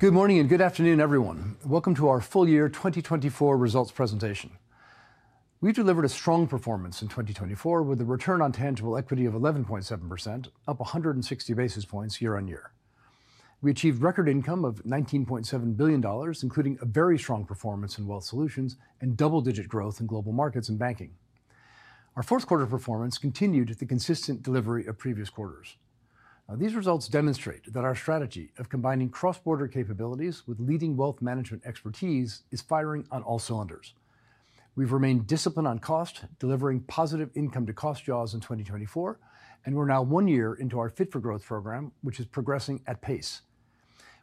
Good morning and good afternoon, everyone. Welcome to our full year 2024 results presentation. We delivered a strong performance in 2024 with a return on tangible equity of 11.7%, up 160 basis points year on year. We achieved record income of $19.7 billion, including a very strong performance in Wealth Solutions and double-digit growth in Global Markets and Banking. Our fourth quarter performance continued at the consistent delivery of previous quarters. These results demonstrate that our strategy of combining cross-border capabilities with leading wealth management expertise is firing on all cylinders. We've remained disciplined on cost, delivering positive income-to-cost jaws in 2024, and we're now one year into our Fit for Growth program, which is progressing at pace.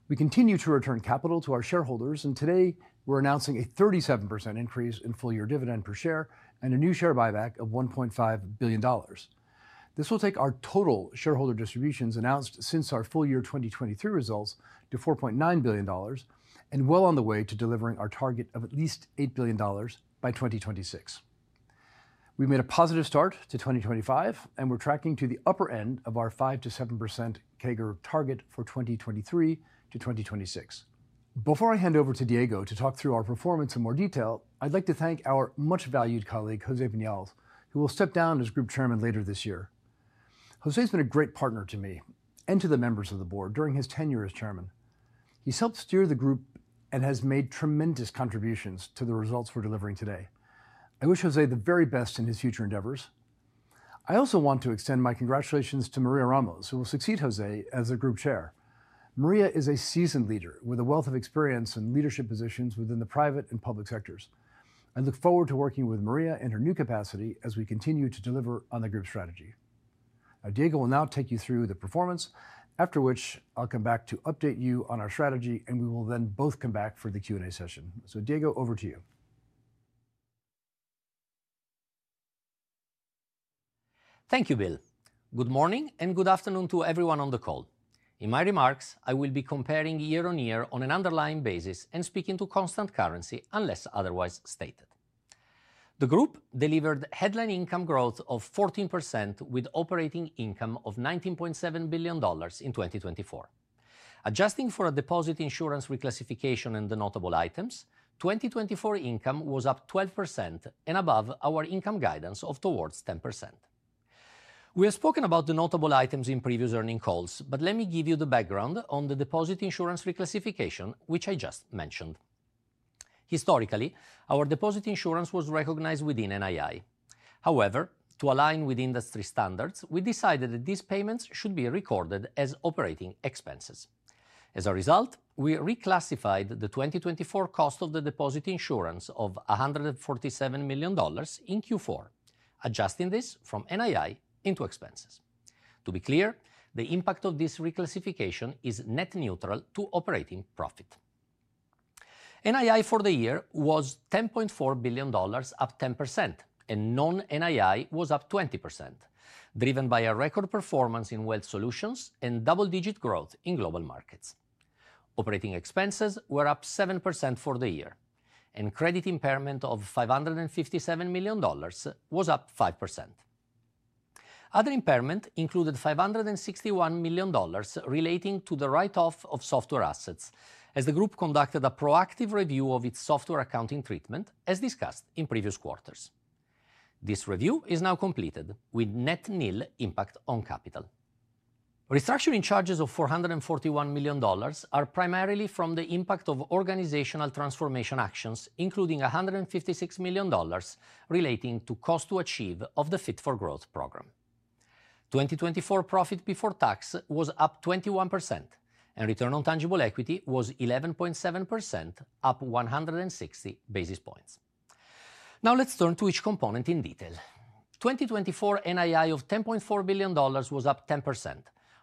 We continue to return capital to our shareholders, and today we're announcing a 37% increase in full year dividend per share and a new share buyback of $1.5 billion. This will take our total shareholder distributions announced since our full year 2023 results to $4.9 billion and well on the way to delivering our target of at least $8 billion by 2026. We've made a positive start to 2025, and we're tracking to the upper end of our 5%-7% CAGR target for 2023 to 2026. Before I hand over to Diego to talk through our performance in more detail, I'd like to thank our much-valued colleague, José Viñals, who will step down as group chairman later this year. José has been a great partner to me and to the members of the board during his tenure as chairman. He's helped steer the group and has made tremendous contributions to the results we're delivering today. I wish José the very best in his future endeavors. I also want to extend my congratulations to Maria Ramos, who will succeed José as Group Chair. Maria is a seasoned leader with a wealth of experience in leadership positions within the private and public sectors. I look forward to working with Maria in her new capacity as we continue to deliver on the group strategy. Now, Diego will take you through the performance, after which I'll come back to update you on our strategy, and we will then both come back for the Q&A session. So, Diego, over to you. Thank you, Bill. Good morning and good afternoon to everyone on the call. In my remarks, I will be comparing year on year on an underlying basis and speaking to constant currency, unless otherwise stated. The group delivered headline income growth of 14% with operating income of $19.7 billion in 2024. Adjusting for a deposit insurance reclassification and the notable items, 2024 income was up 12% and above our income guidance of towards 10%. We have spoken about the notable items in previous earnings calls, but let me give you the background on the deposit insurance reclassification, which I just mentioned. Historically, our deposit insurance was recognized within NII. However, to align with industry standards, we decided that these payments should be recorded as operating expenses. As a result, we reclassified the 2024 cost of the deposit insurance of $147 million in Q4, adjusting this from NII into expenses. To be clear, the impact of this reclassification is net neutral to operating profit. NII for the year was $10.4 billion, up 10%, and non-NII was up 20%, driven by a record performance in Wealth Solutions and double-digit growth in Global Markets. Operating expenses were up 7% for the year, and credit impairment of $557 million was up 5%. Other impairment included $561 million relating to the write-off of software assets, as the group conducted a proactive review of its software accounting treatment, as discussed in previous quarters. This review is now completed with net nil impact on capital. Restructuring charges of $441 million are primarily from the impact of organizational transformation actions, including $156 million relating to Cost to Achieve of the Fit for Growth program. 2024 profit before tax was up 21%, and return on tangible equity was 11.7%, up 160 basis points. Now let's turn to each component in detail. 2024 NII of $10.4 billion was up 10%,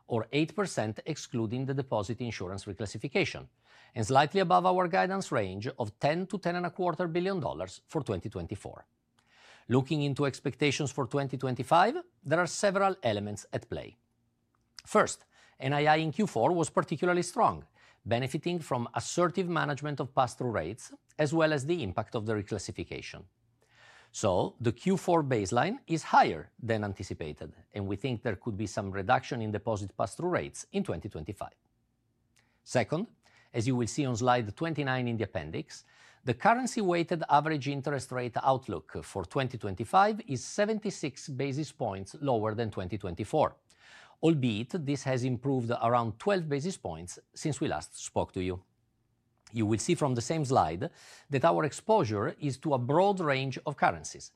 or 8% excluding the deposit insurance reclassification, and slightly above our guidance range of $10-$10.25 billion for 2024. Looking into expectations for 2025, there are several elements at play. First, NII in Q4 was particularly strong, benefiting from assertive management of pass-through rates, as well as the impact of the reclassification. So, the Q4 baseline is higher than anticipated, and we think there could be some reduction in deposit pass-through rates in 2025. Second, as you will see on slide 29 in the appendix, the currency-weighted average interest rate outlook for 2025 is 76 basis points lower than 2024, albeit this has improved around 12 basis points since we last spoke to you. You will see from the same slide that our exposure is to a broad range of currencies,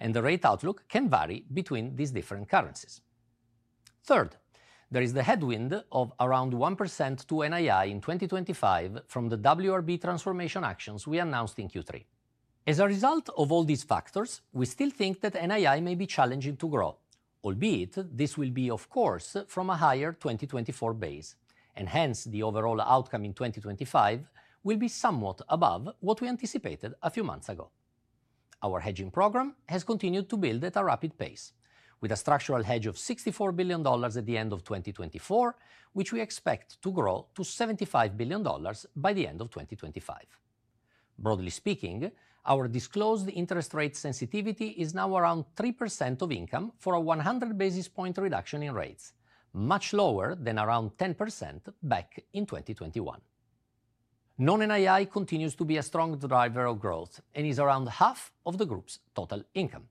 and the rate outlook can vary between these different currencies. Third, there is the headwind of around 1% to NII in 2025 from the WRB transformation actions we announced in Q3. As a result of all these factors, we still think that NII may be challenging to grow, albeit this will be, of course, from a higher 2024 base, and hence the overall outcome in 2025 will be somewhat above what we anticipated a few months ago. Our hedging program has continued to build at a rapid pace, with a structural hedge of $64 billion at the end of 2024, which we expect to grow to $75 billion by the end of 2025. Broadly speaking, our disclosed interest rate sensitivity is now around 3% of income for a 100 basis points reduction in rates, much lower than around 10% back in 2021. Non-NII continues to be a strong driver of growth and is around half of the group's total income.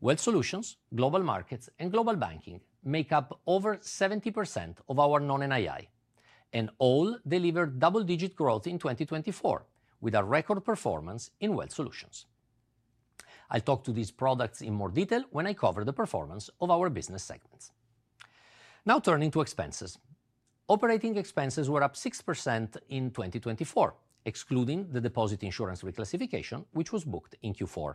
Wealth Solutions, Global Markets, and Global Banking make up over 70% of our Non-NII, and all delivered double-digit growth in 2024 with a record performance in Wealth Solutions. I'll talk to these products in more detail when I cover the performance of our business segments. Now turning to expenses. Operating expenses were up 6% in 2024, excluding the deposit insurance reclassification, which was booked in Q4.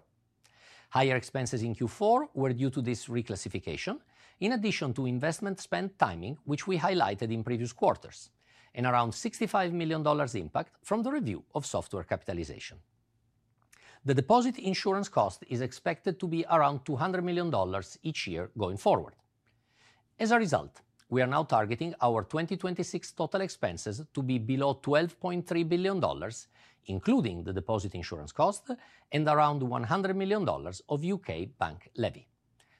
Higher expenses in Q4 were due to this reclassification, in addition to investment spend timing, which we highlighted in previous quarters, and around $65 million impact from the review of software capitalization. The deposit insurance cost is expected to be around $200 million each year going forward. As a result, we are now targeting our 2026 total expenses to be below $12.3 billion, including the deposit insurance cost, and around $100 million of UK bank levy.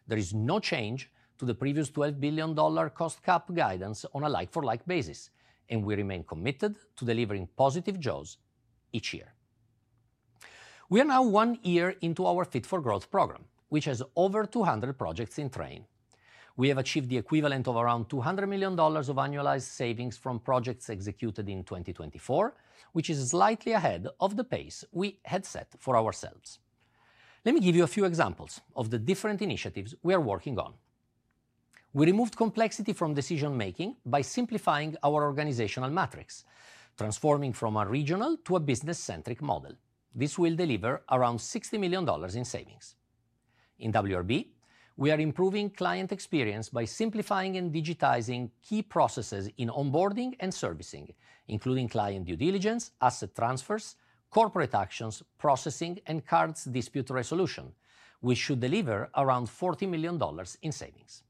There is no change to the previous $12 billion cost cap guidance on a like-for-like basis, and we remain committed to delivering positive jaws each year. We are now one year into our Fit for Growth program, which has over 200 projects in train. We have achieved the equivalent of around $200 million of annualized savings from projects executed in 2024, which is slightly ahead of the pace we had set for ourselves. Let me give you a few examples of the different initiatives we are working on. We removed complexity from decision-making by simplifying our organizational matrix, transforming from a regional to a business-centric model. This will deliver around $60 million in savings. In WRB, we are improving client experience by simplifying and digitizing key processes in onboarding and servicing, including client due diligence, asset transfers, corporate actions, processing, and cards dispute resolution, which should deliver around $40 million in savings.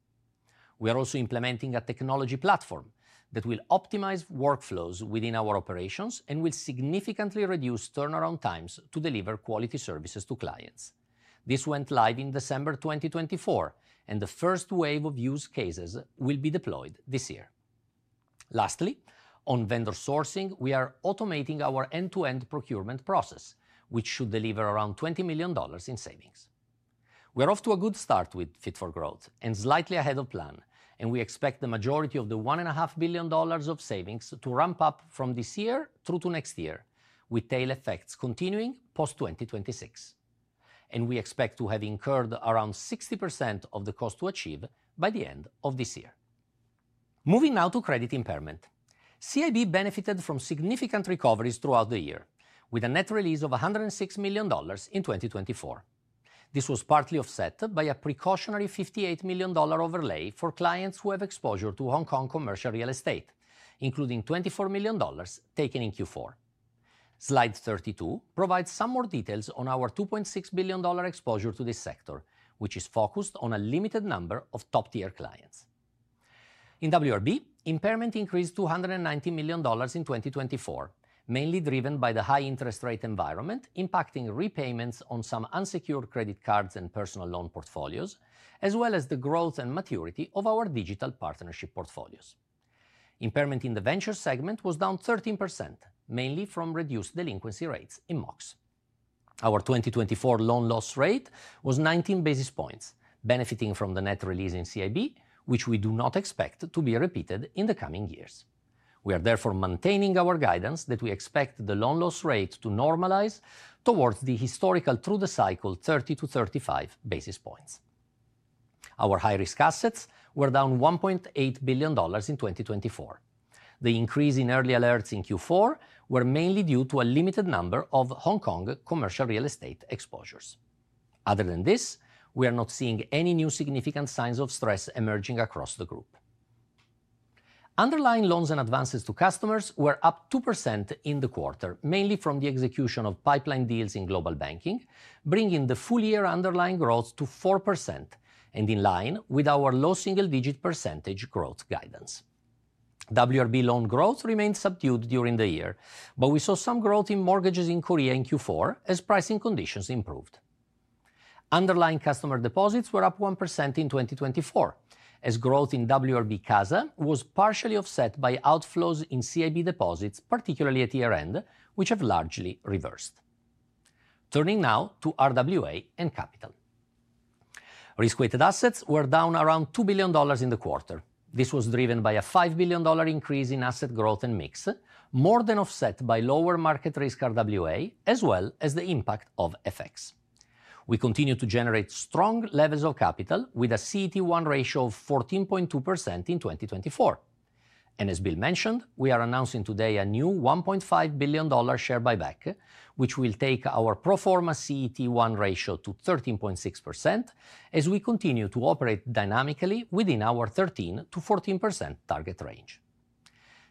We are also implementing a technology platform that will optimize workflows within our operations and will significantly reduce turnaround times to deliver quality services to clients. This went live in December 2024, and the first wave of use cases will be deployed this year. Lastly, on vendor sourcing, we are automating our end-to-end procurement process, which should deliver around $20 million in savings. We are off to a good start with Fit for Growth and slightly ahead of plan, and we expect the majority of the $1.5 billion of savings to ramp up from this year through to next year, with tail effects continuing post-2026, and we expect to have incurred around 60% of the cost to achieve by the end of this year. Moving now to credit impairment. CIB benefited from significant recoveries throughout the year, with a net release of $106 million in 2024. This was partly offset by a precautionary $58 million overlay for clients who have exposure to Hong Kong commercial real estate, including $24 million taken in Q4. Slide 32 provides some more details on our $2.6 billion exposure to this sector, which is focused on a limited number of top-tier clients. In WRB, impairment increased $290 million in 2024, mainly driven by the high interest rate environment impacting repayments on some unsecured credit cards and personal loan portfolios, as well as the growth and maturity of our digital partnership portfolios. Impairment in the Ventures segment was down 13%, mainly from reduced delinquency rates in Mox. Our 2024 loan loss rate was 19 basis points, benefiting from the net release in CIB, which we do not expect to be repeated in the coming years. We are therefore maintaining our guidance that we expect the loan loss rate to normalize towards the historical through-the-cycle 30-35 basis points. Our high-risk assets were down $1.8 billion in 2024. The increase in early alerts in Q4 was mainly due to a limited number of Hong Kong commercial real estate exposures. Other than this, we are not seeing any new significant signs of stress emerging across the group. Underlying loans and advances to customers were up 2% in the quarter, mainly from the execution of pipeline deals in Global Banking, bringing the full year underlying growth to 4% and in line with our low single-digit % growth guidance. WRB loan growth remained subdued during the year, but we saw some growth in mortgages in Korea in Q4 as pricing conditions improved. Underlying customer deposits were up 1% in 2024, as growth in WRB CASA was partially offset by outflows in CIB deposits, particularly at year-end, which have largely reversed. Turning now to RWA and capital. Risk-weighted assets were down around $2 billion in the quarter. This was driven by a $5 billion increase in asset growth and mix, more than offset by lower market risk RWA, as well as the impact of FX. We continue to generate strong levels of capital with a CET1 ratio of 14.2% in 2024. And as Bill mentioned, we are announcing today a new $1.5 billion share buyback, which will take our pro forma CET1 ratio to 13.6% as we continue to operate dynamically within our 13% to 14% target range.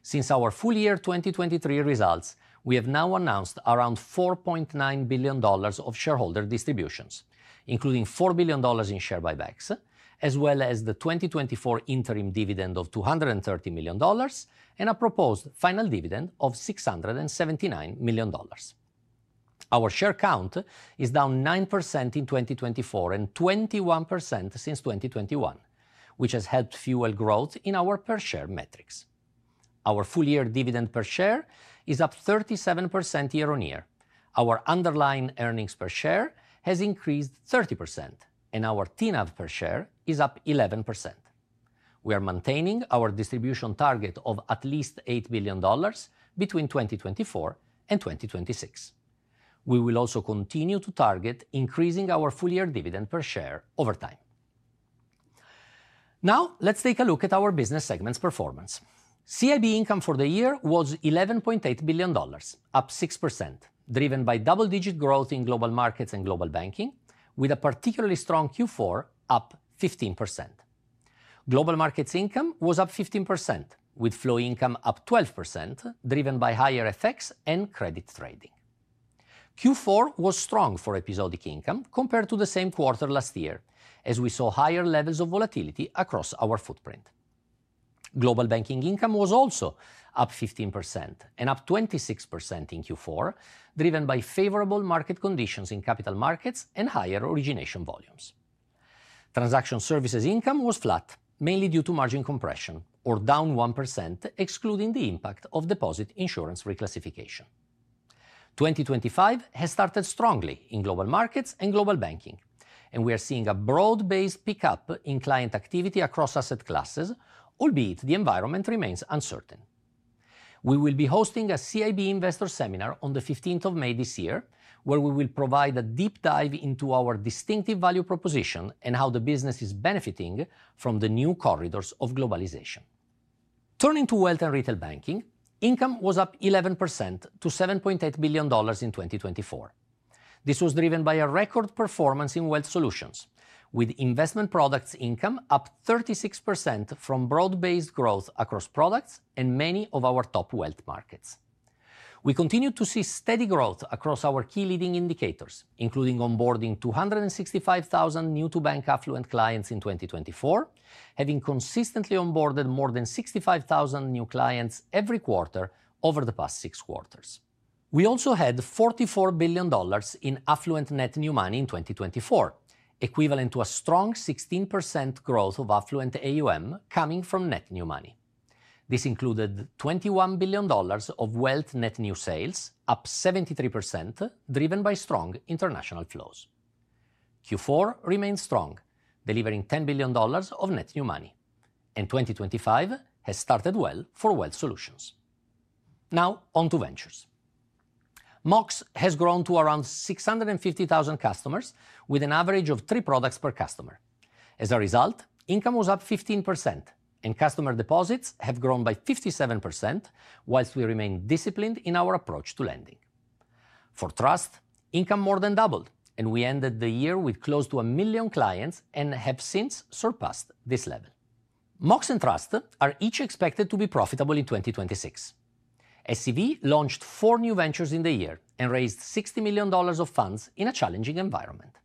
Since our full year 2023 results, we have now announced around $4.9 billion of shareholder distributions, including $4 billion in share buybacks, as well as the 2024 interim dividend of $230 million and a proposed final dividend of $679 million. Our share count is down 9% in 2024 and 21% since 2021, which has helped fuel growth in our per-share metrics. Our full year dividend per share is up 37% year on year. Our underlying earnings per share has increased 30%, and our TNAV per share is up 11%. We are maintaining our distribution target of at least $8 billion between 2024 and 2026. We will also continue to target increasing our full year dividend per share over time. Now let's take a look at our business segment's performance. CIB income for the year was $11.8 billion, up 6%, driven by double-digit growth in global markets and global banking, with a particularly strong Q4, up 15%. Global markets income was up 15%, with flow income up 12%, driven by higher FX and credit trading. Q4 was strong for episodic income compared to the same quarter last year, as we saw higher levels of volatility across our footprint. Global Banking income was also up 15% and up 26% in Q4, driven by favorable market conditions in capital markets and higher origination volumes. Transaction Services income was flat, mainly due to margin compression, or down 1%, excluding the impact of deposit insurance reclassification. 2025 has started strongly in Global Markets and Global Banking, and we are seeing a broad-based pickup in client activity across asset classes, albeit the environment remains uncertain. We will be hosting a CIB investor seminar on the 15th of May this year, where we will provide a deep dive into our distinctive value proposition and how the business is benefiting from the new corridors of globalization. Turning to Wealth and Retail Banking, income was up 11% to $7.8 billion in 2024. This was driven by a record performance in Wealth Solutions, with investment products income up 36% from broad-based growth across products and many of our top wealth markets. We continued to see steady growth across our key leading indicators, including onboarding 265,000 new-to-bank affluent clients in 2024, having consistently onboarded more than 65,000 new clients every quarter over the past six quarters. We also had $44 billion in affluent net new money in 2024, equivalent to a strong 16% growth of affluent AUM coming from net new money. This included $21 billion of wealth net new sales, up 73%, driven by strong international flows. Q4 remained strong, delivering $10 billion of net new money, and 2025 has started well for Wealth Solutions. Now on to Ventures. MOX has grown to around 650,000 customers with an average of three products per customer. As a result, income was up 15%, and customer deposits have grown by 57%, while we remain disciplined in our approach to lending. For Trust, income more than doubled, and we ended the year with close to a million clients and have since surpassed this level. MOX and Trust are each expected to be profitable in 2026. SCV launched four new Ventures in the year and raised $60 million of funds in a challenging environment.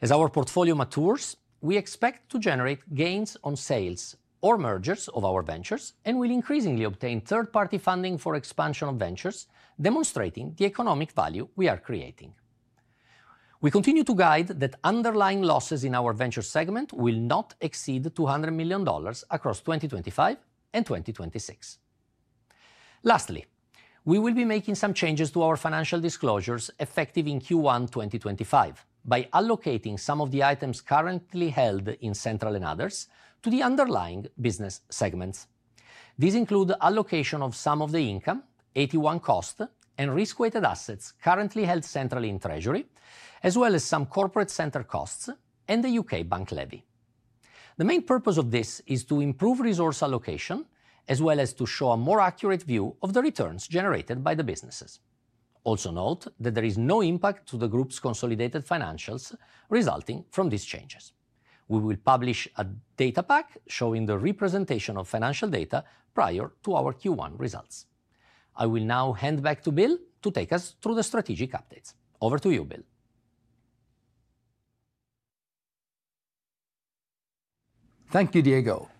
As our portfolio matures, we expect to generate gains on sales or mergers of our Ventures and will increasingly obtain third-party funding for expansion of Ventures, demonstrating the economic value we are creating. We continue to guide that underlying losses in our venture segment will not exceed $200 million across 2025 and 2026. Lastly, we will be making some changes to our financial disclosures effective in Q1 2025 by allocating some of the items currently held centrally and others to the underlying business segments. These include allocation of some of the income, and cost, and risk-weighted assets currently held centrally in treasury, as well as some corporate center costs and the UK bank levy. The main purpose of this is to improve resource allocation, as well as to show a more accurate view of the returns generated by the businesses. Also note that there is no impact to the group's consolidated financials resulting from these changes. We will publish a data pack showing the representation of financial data prior to our Q1 results. I will now hand back to Bill to take us through the strategic updates. Over to you, Bill. Thank you, Diego.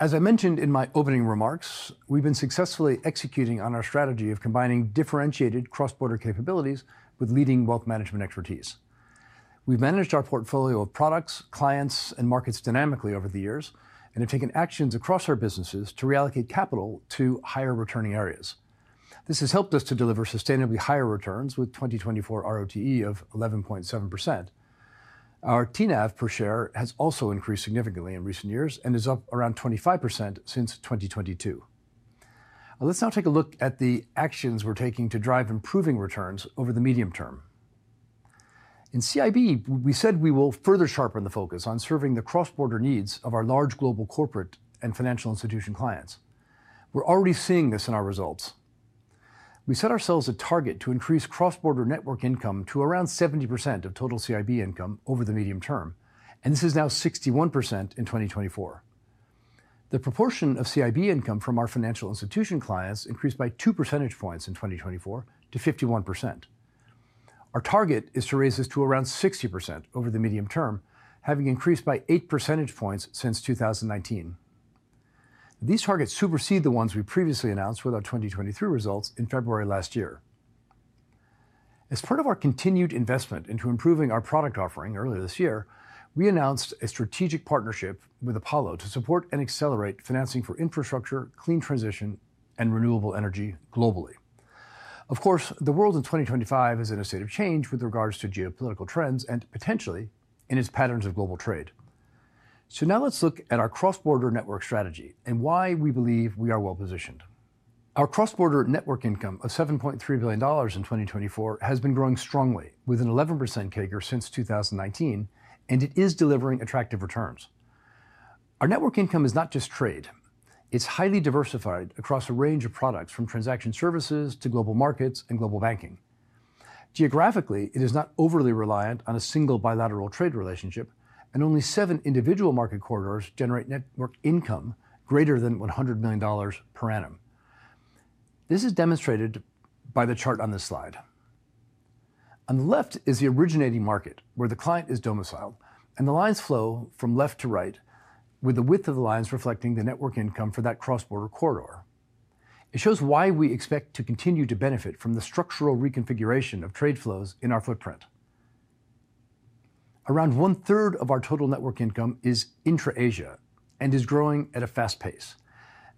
As I mentioned in my opening remarks, we've been successfully executing on our strategy of combining differentiated cross-border capabilities with leading wealth management expertise. We've managed our portfolio of products, clients, and markets dynamically over the years and have taken actions across our businesses to reallocate capital to higher returning areas. This has helped us to deliver sustainably higher returns with 2024 ROTE of 11.7%. Our TNAV per share has also increased significantly in recent years and is up around 25% since 2022. Let's now take a look at the actions we're taking to drive improving returns over the medium term. In CIB, we said we will further sharpen the focus on serving the cross-border needs of our large global corporate and financial institution clients. We're already seeing this in our results. We set ourselves a target to increase cross-border network income to around 70% of total CIB income over the medium term, and this is now 61% in 2024. The proportion of CIB income from our financial institution clients increased by two percentage points in 2024 to 51%. Our target is to raise this to around 60% over the medium term, having increased by eight percentage points since 2019. These targets supersede the ones we previously announced with our 2023 results in February last year. As part of our continued investment into improving our product offering earlier this year, we announced a strategic partnership with Apollo to support and accelerate financing for infrastructure, clean transition, and renewable energy globally. Of course, the world in 2025 is in a state of change with regards to geopolitical trends and potentially in its patterns of global trade. So now let's look at our cross-border network strategy and why we believe we are well positioned. Our cross-border network income of $7.3 billion in 2024 has been growing strongly, with an 11% CAGR since 2019, and it is delivering attractive returns. Our network income is not just trade. It's highly diversified across a range of products from transaction services to global markets and global banking. Geographically, it is not overly reliant on a single bilateral trade relationship, and only seven individual market corridors generate network income greater than $100 million per annum. This is demonstrated by the chart on this slide. On the left is the originating market where the client is domiciled, and the lines flow from left to right, with the width of the lines reflecting the network income for that cross-border corridor. It shows why we expect to continue to benefit from the structural reconfiguration of trade flows in our footprint. Around one-third of our total network income is intra-Asia and is growing at a fast pace.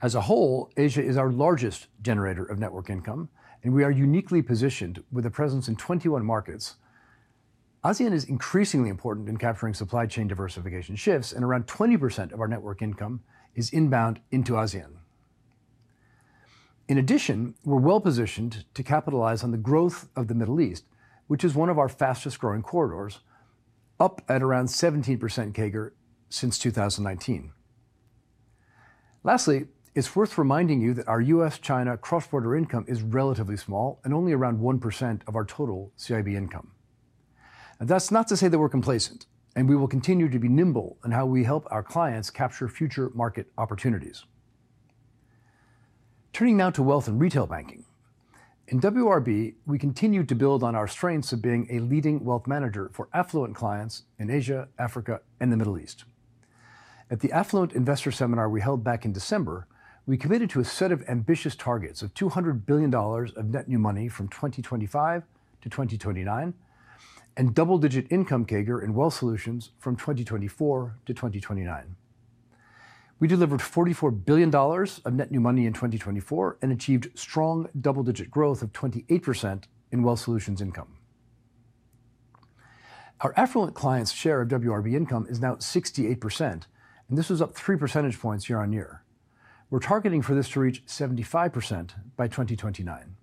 As a whole, Asia is our largest generator of network income, and we are uniquely positioned with a presence in 21 markets. ASEAN is increasingly important in capturing supply chain diversification shifts, and around 20% of our network income is inbound into ASEAN. In addition, we're well positioned to capitalize on the growth of the Middle East, which is one of our fastest-growing corridors, up at around 17% CAGR since 2019. Lastly, it's worth reminding you that our U.S.-China cross-border income is relatively small and only around 1% of our total CIB income. That's not to say that we're complacent, and we will continue to be nimble in how we help our clients capture future market opportunities. Turning now to wealth and retail banking. In WRB, we continue to build on our strengths of being a leading wealth manager for affluent clients in Asia, Africa, and the Middle East. At the Affluent Investor Seminar we held back in December, we committed to a set of ambitious targets of $200 billion of net new money from 2025 to 2029 and double-digit income CAGR in wealth solutions from 2024 to 2029. We delivered $44 billion of net new money in 2024 and achieved strong double-digit growth of 28% in wealth solutions income. Our affluent clients' share of WRB income is now 68%, and this was up three percentage points year on year. We're targeting for this to reach 75% by 2029.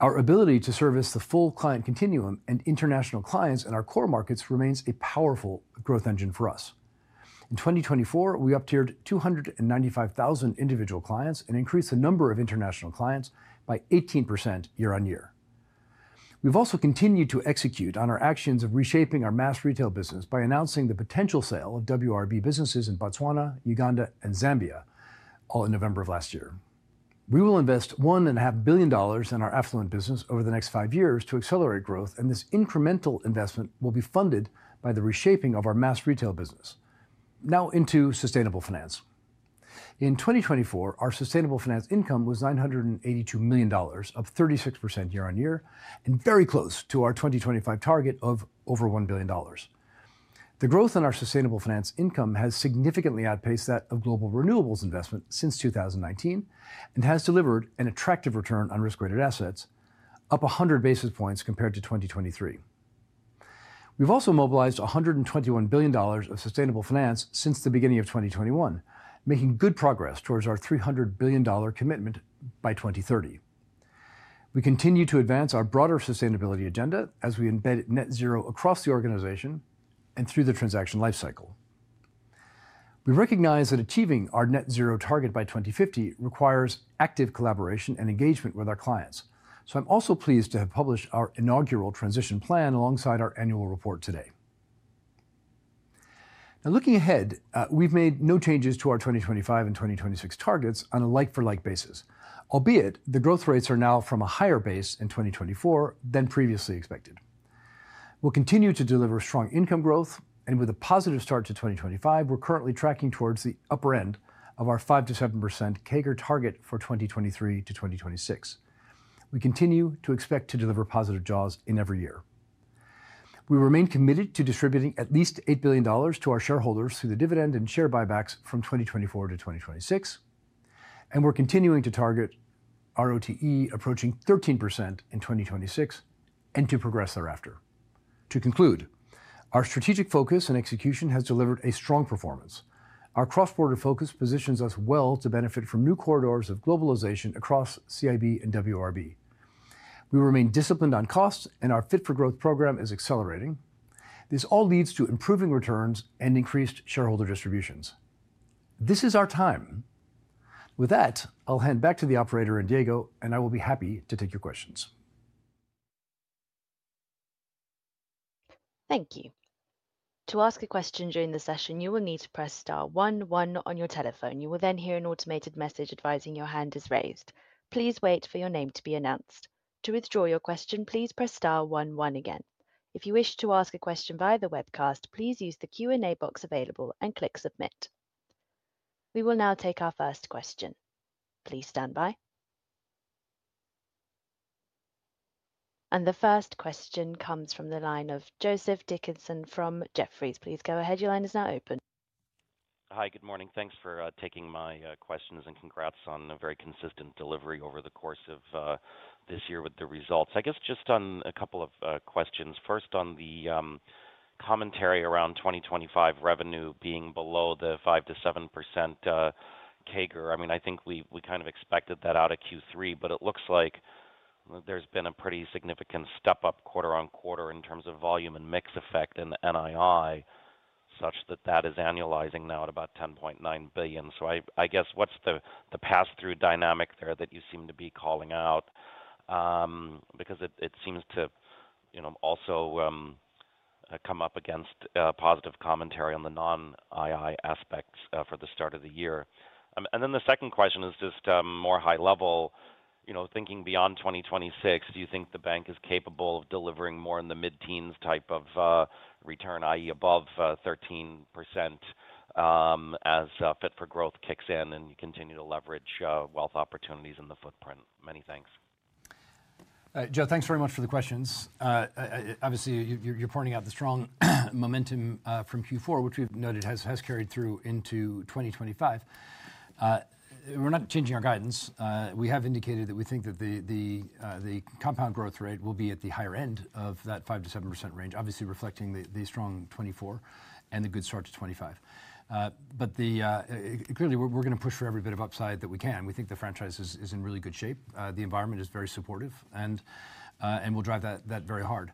Our ability to service the full client continuum and international clients in our core markets remains a powerful growth engine for us. In 2024, we uptiered 295,000 individual clients and increased the number of international clients by 18% year on year. We've also continued to execute on our actions of reshaping our mass retail business by announcing the potential sale of WRB businesses in Botswana, Uganda, and Zambia, all in November of last year. We will invest $1.5 billion in our affluent business over the next five years to accelerate growth, and this incremental investment will be funded by the reshaping of our mass retail business. Now into sustainable finance. In 2024, our sustainable finance income was $982 million, up 36% year on year, and very close to our 2025 target of over $1 billion. The growth in our sustainable finance income has significantly outpaced that of global renewables investment since 2019 and has delivered an attractive return on risk-weighted assets, up 100 basis points compared to 2023. We've also mobilized $121 billion of sustainable finance since the beginning of 2021, making good progress towards our $300 billion commitment by 2030. We continue to advance our broader sustainability agenda as we embed net zero across the organization and through the transaction lifecycle. We recognize that achieving our net zero target by 2050 requires active collaboration and engagement with our clients, so I'm also pleased to have published our inaugural transition plan alongside our annual report today. Now, looking ahead, we've made no changes to our 2025 and 2026 targets on a like-for-like basis, albeit the growth rates are now from a higher base in 2024 than previously expected. We'll continue to deliver strong income growth, and with a positive start to 2025, we're currently tracking towards the upper end of our 5%-7% CAGR target for 2023-2026. We continue to expect to deliver positive jaws in every year. We remain committed to distributing at least $8 billion to our shareholders through the dividend and share buybacks from 2024-2026, and we're continuing to target ROTE approaching 13% in 2026 and to progress thereafter. To conclude, our strategic focus and execution has delivered a strong performance. Our cross-border focus positions us well to benefit from new corridors of globalization across CIB and WRB. We remain disciplined on costs, and our Fit for Growth program is accelerating. This all leads to improving returns and increased shareholder distributions. This is our time. With that, I'll hand back to the operator and Diego, and I will be happy to take your questions. Thank you. To ask a question during the session, you will need to press star 11 on your telephone. You will then hear an automated message advising your hand is raised. Please wait for your name to be announced. To withdraw your question, please press star 11 again. If you wish to ask a question via the webcast, please use the Q&A box available and click submit. We will now take our first question. Please stand by. The first question comes from the line of Joseph Dickerson from Jefferies. Please go ahead. Your line is now open. Hi, good morning. Thanks for taking my questions and congrats on a very consistent delivery over the course of this year with the results. I guess just on a couple of questions. First, on the commentary around 2025 revenue being below the 5%-7% CAGR, I mean, I think we kind of expected that out of Q3, but it looks like there's been a pretty significant step-up quarter on quarter in terms of volume and mix effect in the NII, such that that is annualizing now at about $10.9 billion. So I guess what's the pass-through dynamic there that you seem to be calling out? Because it seems to also come up against positive commentary on the non-NII aspects for the start of the year. And then the second question is just more high level. Thinking beyond 2026, do you think the bank is capable of delivering more in the mid-teens type of return, i.e., above 13% as Fit for Growth kicks in and you continue to leverage wealth opportunities in the footprint? Many thanks. Joe, thanks very much for the questions. Obviously, you're pointing out the strong momentum from Q4, which we've noted has carried through into 2025. We're not changing our guidance. We have indicated that we think that the compound growth rate will be at the higher end of that 5%-7% range, obviously reflecting the strong 2024 and the good start to 2025. But clearly, we're going to push for every bit of upside that we can. We think the franchise is in really good shape. The environment is very supportive, and we'll drive that very hard.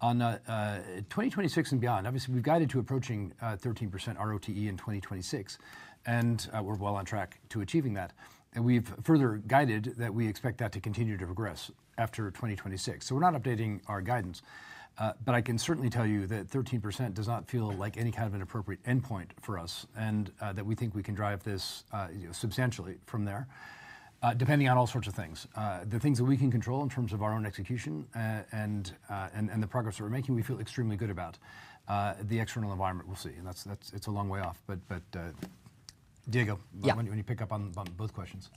On 2026 and beyond, obviously, we've guided to approaching 13% ROTE in 2026, and we're well on track to achieving that, and we've further guided that we expect that to continue to progress after 2026. We're not updating our guidance, but I can certainly tell you that 13% does not feel like any kind of an appropriate endpoint for us and that we think we can drive this substantially from there, depending on all sorts of things. The things that we can control in terms of our own execution and the progress that we're making, we feel extremely good about the external environment we'll see. And it's a long way off. But Diego, when you pick up on both questions.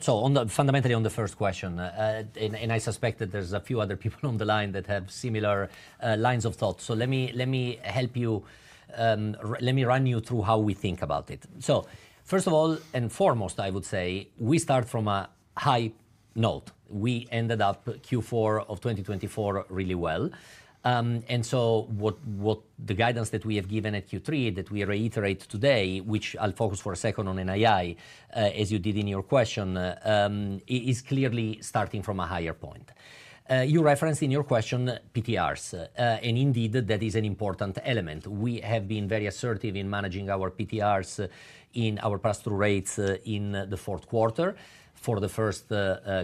So fundamentally, on the first question, and I suspect that there's a few other people on the line that have similar lines of thought. So let me help you. Let me run you through how we think about it. So first of all and foremost, I would say we start from a high note. We ended up Q4 of 2024 really well. What the guidance that we have given at Q3 that we reiterate today, which I'll focus for a second on NII, as you did in your question, is clearly starting from a higher point. You referenced in your question PTRs, and indeed that is an important element. We have been very assertive in managing our PTRs in our pass-through rates in the fourth quarter for the first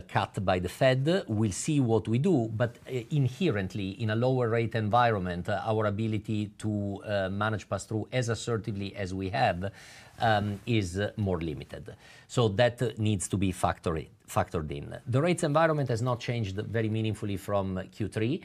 cut by the Fed. We'll see what we do, but inherently, in a lower rate environment, our ability to manage pass-through as assertively as we have is more limited. So that needs to be factored in. The rates environment has not changed very meaningfully from Q3,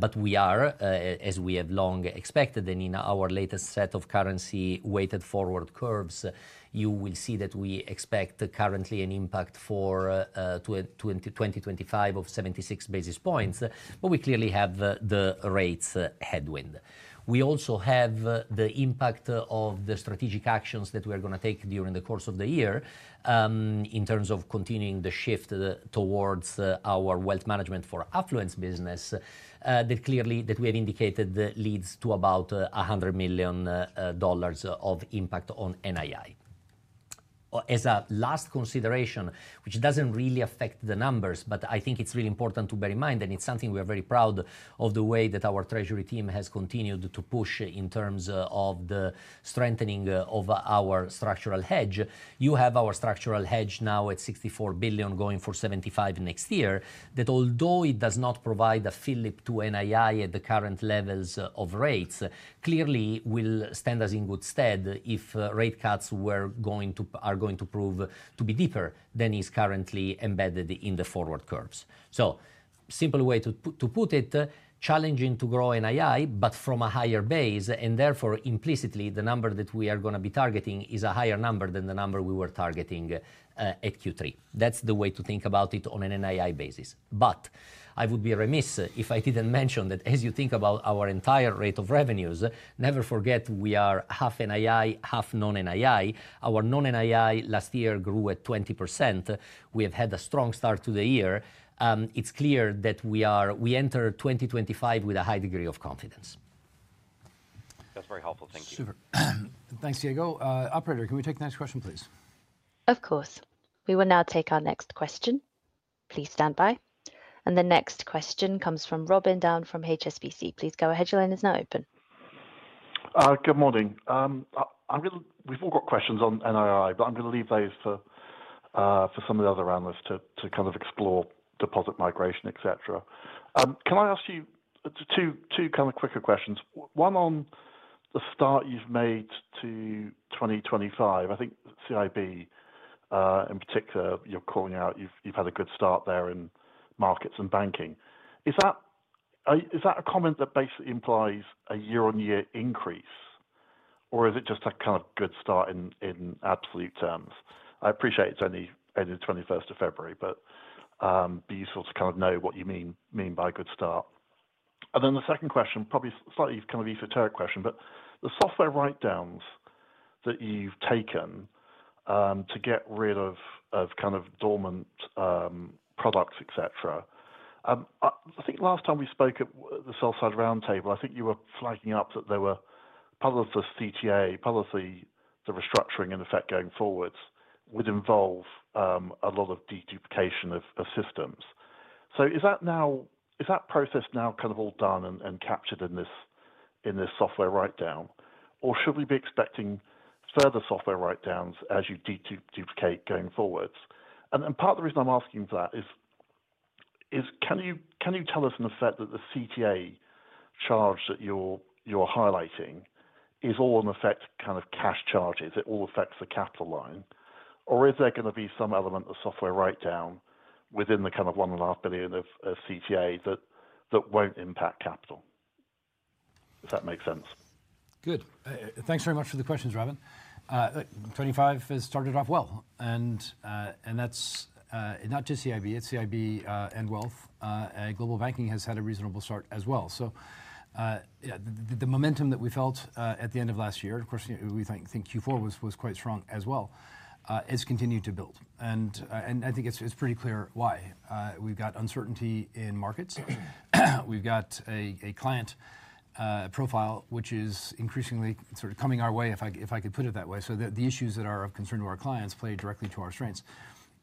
but we are, as we have long expected, and in our latest set of currency-weighted forward curves, you will see that we expect currently an impact for 2025 of 76 basis points, but we clearly have the rates headwind. We also have the impact of the strategic actions that we are going to take during the course of the year in terms of continuing the shift towards our wealth management for affluent business that clearly that we have indicated leads to about $100 million of impact on NII. As a last consideration, which doesn't really affect the numbers, but I think it's really important to bear in mind, and it's something we are very proud of the way that our treasury team has continued to push in terms of the strengthening of our structural hedge. You have our structural hedge now at $64 billion going for $75 next year that, although it does not provide a flip to NII at the current levels of rates, clearly will stand us in good stead if rate cuts are going to prove to be deeper than is currently embedded in the forward curves, so simple way to put it, challenging to grow NII, but from a higher base, and therefore implicitly the number that we are going to be targeting is a higher number than the number we were targeting at Q3. That's the way to think about it on an NII basis, but I would be remiss if I didn't mention that as you think about our entire rate of revenues, never forget we are half NII, half non-NII. Our non-NII last year grew at 20%. We have had a strong start to the year. It's clear that we enter 2025 with a high degree of confidence. That's very helpful. Thank you. Super. Thanks, Diego. Operator, can we take the next question, please? Of course. We will now take our next question. Please stand by. And the next question comes from Robin Down from HSBC. Please go ahead. Your line is now open. Good morning. We've all got questions on NII, but I'm going to leave those for some of the other analysts to kind of explore deposit migration, etc. Can I ask you two kind of quicker questions? One on the start you've made to 2025, I think CIB in particular, you're calling out you've had a good start there in markets and banking. Is that a comment that basically implies a year-on-year increase, or is it just a kind of good start in absolute terms? I appreciate it's only the 21st of February, but it'd be useful to kind of know what you mean by a good start. And then the second question, probably slightly kind of esoteric question, but the software write-downs that you've taken to get rid of kind of dormant products, etc. I think last time we spoke at the sell-side roundtable, I think you were flagging up that there were part of the CTA, part of the restructuring in effect going forwards would involve a lot of deduplication of systems. So is that process now kind of all done and captured in this software write-down, or should we be expecting further software write-downs as you deduplicate going forwards? And part of the reason I'm asking for that is, can you tell us in effect that the CTA charge that you're highlighting is all in effect kind of cash charges? It all affects the capital line, or is there going to be some element of software write-down within the kind of $1.5 billion of CTA that won't impact capital? If that makes sense. Good. Thanks very much for the questions, Robin. 2025 has started off well, and that's not just CIB. It's CIB and Wealth. Global Banking has had a reasonable start as well. So the momentum that we felt at the end of last year, of course, we think Q4 was quite strong as well, has continued to build. And I think it's pretty clear why. We've got uncertainty in markets. We've got a client profile which is increasingly sort of coming our way, if I could put it that way. So the issues that are of concern to our clients play directly to our strengths.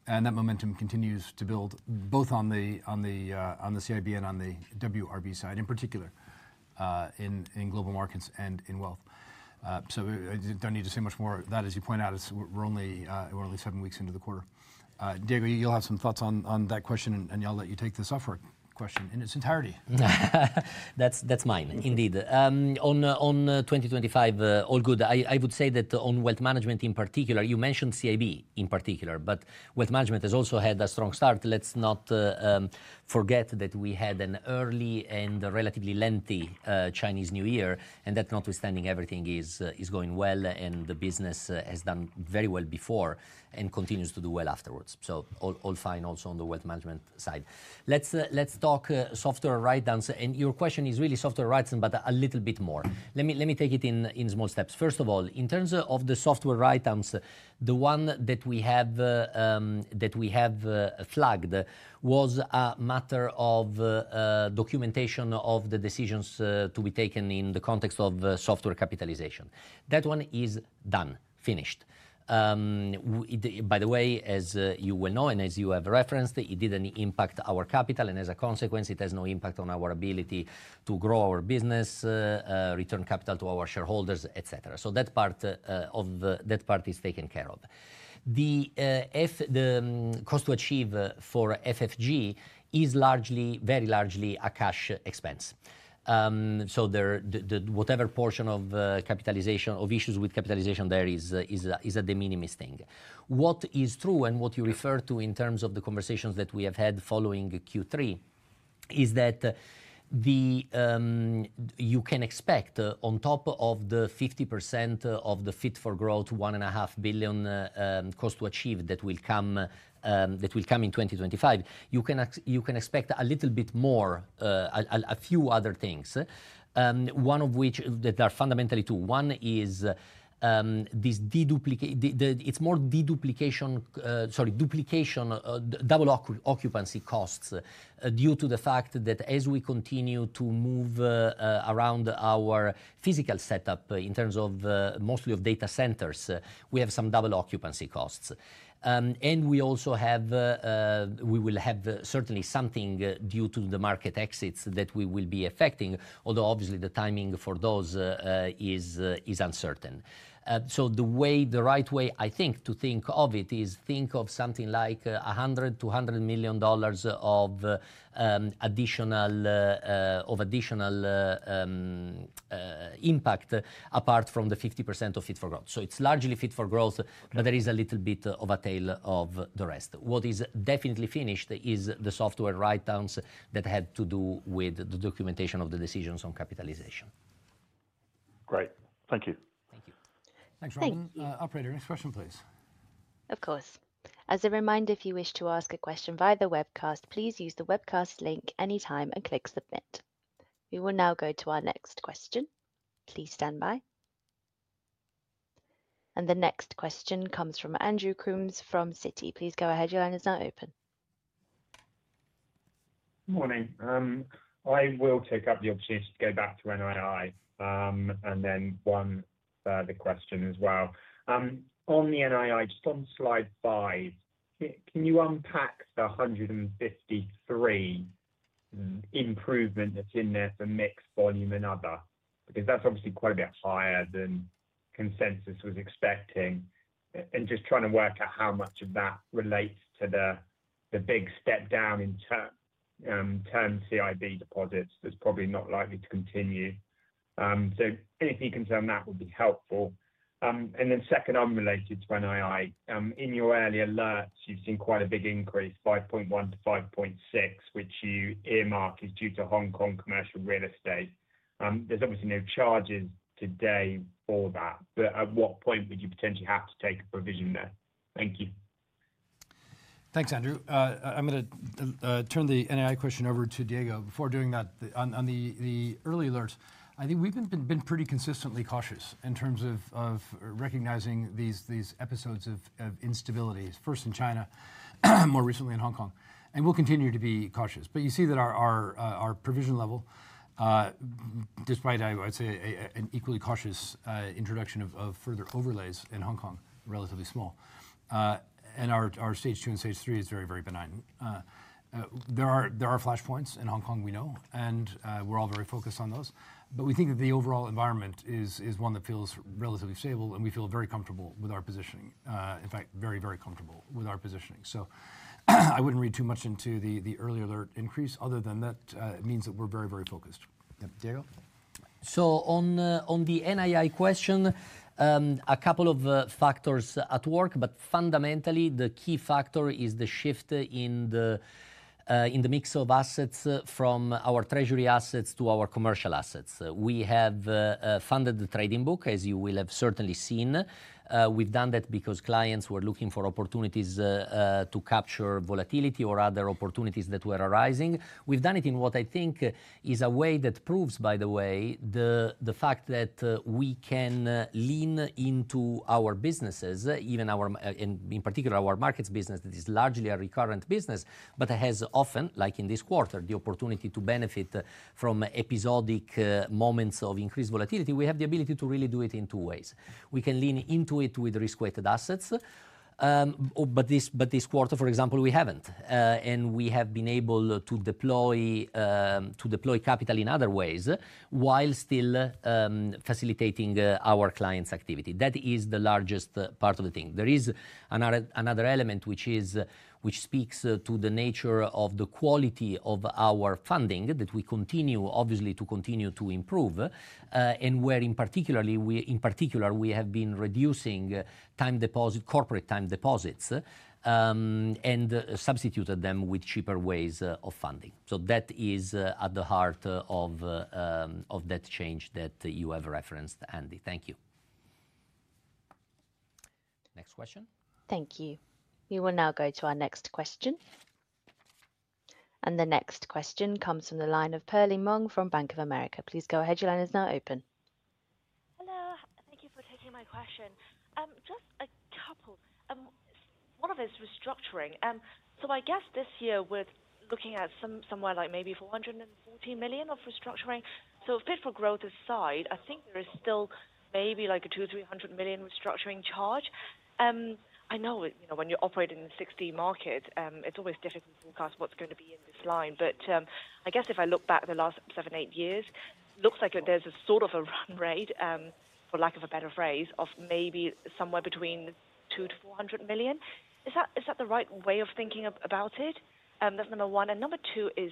And that momentum continues to build both on the CIB and on the WRB side in particular in global markets and in wealth. So I don't need to say much more of that. As you point out, we're only seven weeks into the quarter. Diego, you'll have some thoughts on that question, and I'll let you take the software question in its entirety. That's mine, indeed. On 2025, all good. I would say that on wealth management in particular, you mentioned CIB in particular, but wealth management has also had a strong start. Let's not forget that we had an early and relatively lengthy Chinese New Year, and that notwithstanding, everything is going well, and the business has done very well before and continues to do well afterwards. So all fine also on the wealth management side. Let's talk software write-downs. Your question is really software write-downs, but a little bit more. Let me take it in small steps. First of all, in terms of the software write-downs, the one that we have flagged was a matter of documentation of the decisions to be taken in the context of software capitalization. That one is done, finished. By the way, as you will know, and as you have referenced, it didn't impact our capital, and as a consequence, it has no impact on our ability to grow our business, return capital to our shareholders, etc. So that part is taken care of. The Cost to Achieve for FFG is very largely a cash expense. So whatever portion of capitalization, of issues with capitalization there is a de minimis thing. What is true and what you refer to in terms of the conversations that we have had following Q3 is that you can expect on top of the 50% of the Fit for Growth, $1.5 billion Cost to Achieve that will come in 2025, you can expect a little bit more, a few other things, one of which that are fundamentally two. One is this deduplication, it's more deduplication, sorry, duplication, double occupancy costs due to the fact that as we continue to move around our physical setup in terms of mostly of data centers, we have some double occupancy costs. We also have, we will have certainly something due to the market exits that we will be affecting, although obviously the timing for those is uncertain. So the right way, I think, to think of it is think of something like $100-$200 million of additional impact apart from the 50% of Fit for Growth. So it's largely Fit for Growth, but there is a little bit of a tail of the rest. What is definitely finished is the software write-downs that had to do with the documentation of the decisions on capitalization. Great. Thank you. Thank you. Thanks, Robin. Operator, next question, please. Of course. As a reminder, if you wish to ask a question via the webcast, please use the webcast link anytime and click submit. We will now go to our next question. Please stand by. And the next question comes from Andrew Coombs from Citi. Please go ahead. Your line is now open. Good morning. I will take up the opportunity to go back to NII and then one further question as well. On the NII, just on slide five, can you unpack the 153 improvement that's in there for mixed volume and other? Because that's obviously quite a bit higher than consensus was expecting. And just trying to work out how much of that relates to the big step down in terms of CIB deposits that's probably not likely to continue. So anything concerning that would be helpful. And then second, unrelated to NII, in your early alerts, you've seen quite a big increase, 5.1-5.6, which you earmark is due to Hong Kong commercial real estate. There's obviously no charges today for that, but at what point would you potentially have to take a provision there? Thank you. Thanks, Andrew. I'm going to turn the NII question over to Diego. Before doing that, on the early alerts, I think we've been pretty consistently cautious in terms of recognizing these episodes of instability, first in China, more recently in Hong Kong, and we'll continue to be cautious. But you see that our provision level, despite, I would say, an equally cautious introduction of further overlays in Hong Kong, relatively small, and our stage two and stage three is very, very benign. There are flashpoints in Hong Kong, we know, and we're all very focused on those. But we think that the overall environment is one that feels relatively stable, and we feel very comfortable with our positioning, in fact, very, very comfortable with our positioning. So I wouldn't read too much into the early alert increase other than that it means that we're very, very focused. Yeah, Diego? So on the NII question, a couple of factors at work, but fundamentally, the key factor is the shift in the mix of assets from our treasury assets to our commercial assets. We have funded the trading book, as you will have certainly seen. We've done that because clients were looking for opportunities to capture volatility or other opportunities that were arising. We've done it in what I think is a way that proves, by the way, the fact that we can lean into our businesses, even in particular our markets business that is largely a recurrent business, but has often, like in this quarter, the opportunity to benefit from episodic moments of increased volatility. We have the ability to really do it in two ways. We can lean into it with risk-weighted assets, but this quarter, for example, we haven't. And we have been able to deploy capital in other ways while still facilitating our clients' activity. That is the largest part of the thing. There is another element which speaks to the nature of the quality of our funding that we continue, obviously, to continue to improve, and where in particular we have been reducing corporate time deposits and substituted them with cheaper ways of funding. So that is at the heart of that change that you have referenced, Andy. Thank you. Next question. Thank you. We will now go to our next question. And the next question comes from the line of Perlie Mong from Bank of America. Please go ahead. Your line is now open. Hello. Thank you for taking my question. Just a couple. One of it is restructuring. So I guess this year we're looking at somewhere like maybe $440 million of restructuring. for Growth aside, I think there is still maybe like a $200-$300 million restructuring charge. I know when you're operating in 60 markets, it's always difficult to forecast what's going to be in this line. But I guess if I look back the last seven, eight years, it looks like there's a sort of a run rate, for lack of a better phrase, of maybe somewhere between $200-$400 million. Is that the right way of thinking about it? That's number one. And number two is,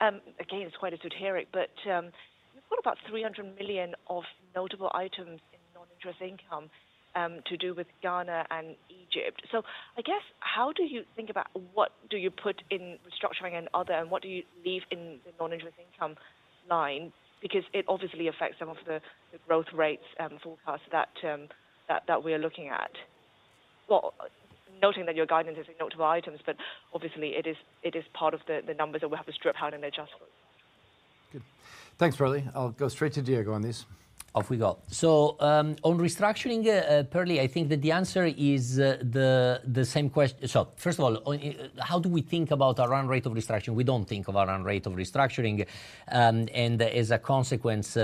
again, it's quite esoteric, but we've got about $300 million of notable items in non-interest income to do with Ghana and Egypt. So I guess how do you think about what do you put in restructuring and other, and what do you leave in the non-interest income line? Because it obviously affects some of the growth rates forecast that we are looking at. Well, noting that your guidance is in notable items, but obviously it is part of the numbers that we have to strip out and adjust for. Good. Thanks, Perlie. I'll go straight to Diego on this. Off we go. So on restructuring, Perlie, I think that the answer is the same question. So first of all, how do we think about our run rate of restructuring? We don't think of our run rate of restructuring. And as a consequence,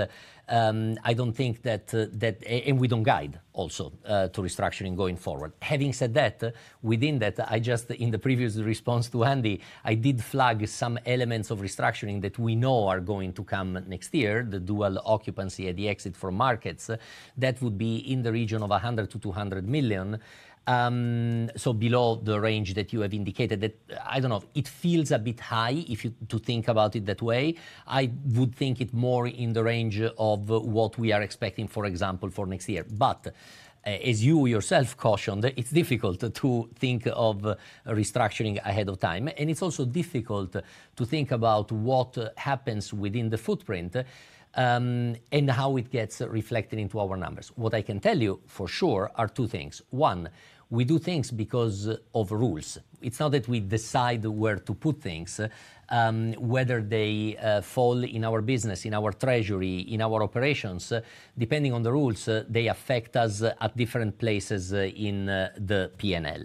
I don't think that, and we don't guide also to restructuring going forward. Having said that, within that, I just, in the previous response to Andy, I did flag some elements of restructuring that we know are going to come next year, the dual occupancy at the exit for markets. That would be in the region of $100,000 to $200 million. So below the range that you have indicated, I don't know, it feels a bit high to think about it that way. I would think it more in the range of what we are expecting, for example, for next year. But as you yourself cautioned, it's difficult to think of restructuring ahead of time. And it's also difficult to think about what happens within the footprint and how it gets reflected into our numbers. What I can tell you for sure are two things. One, we do things because of rules. It's not that we decide where to put things, whether they fall in our business, in our treasury, in our operations. Depending on the rules, they affect us at different places in the P&L.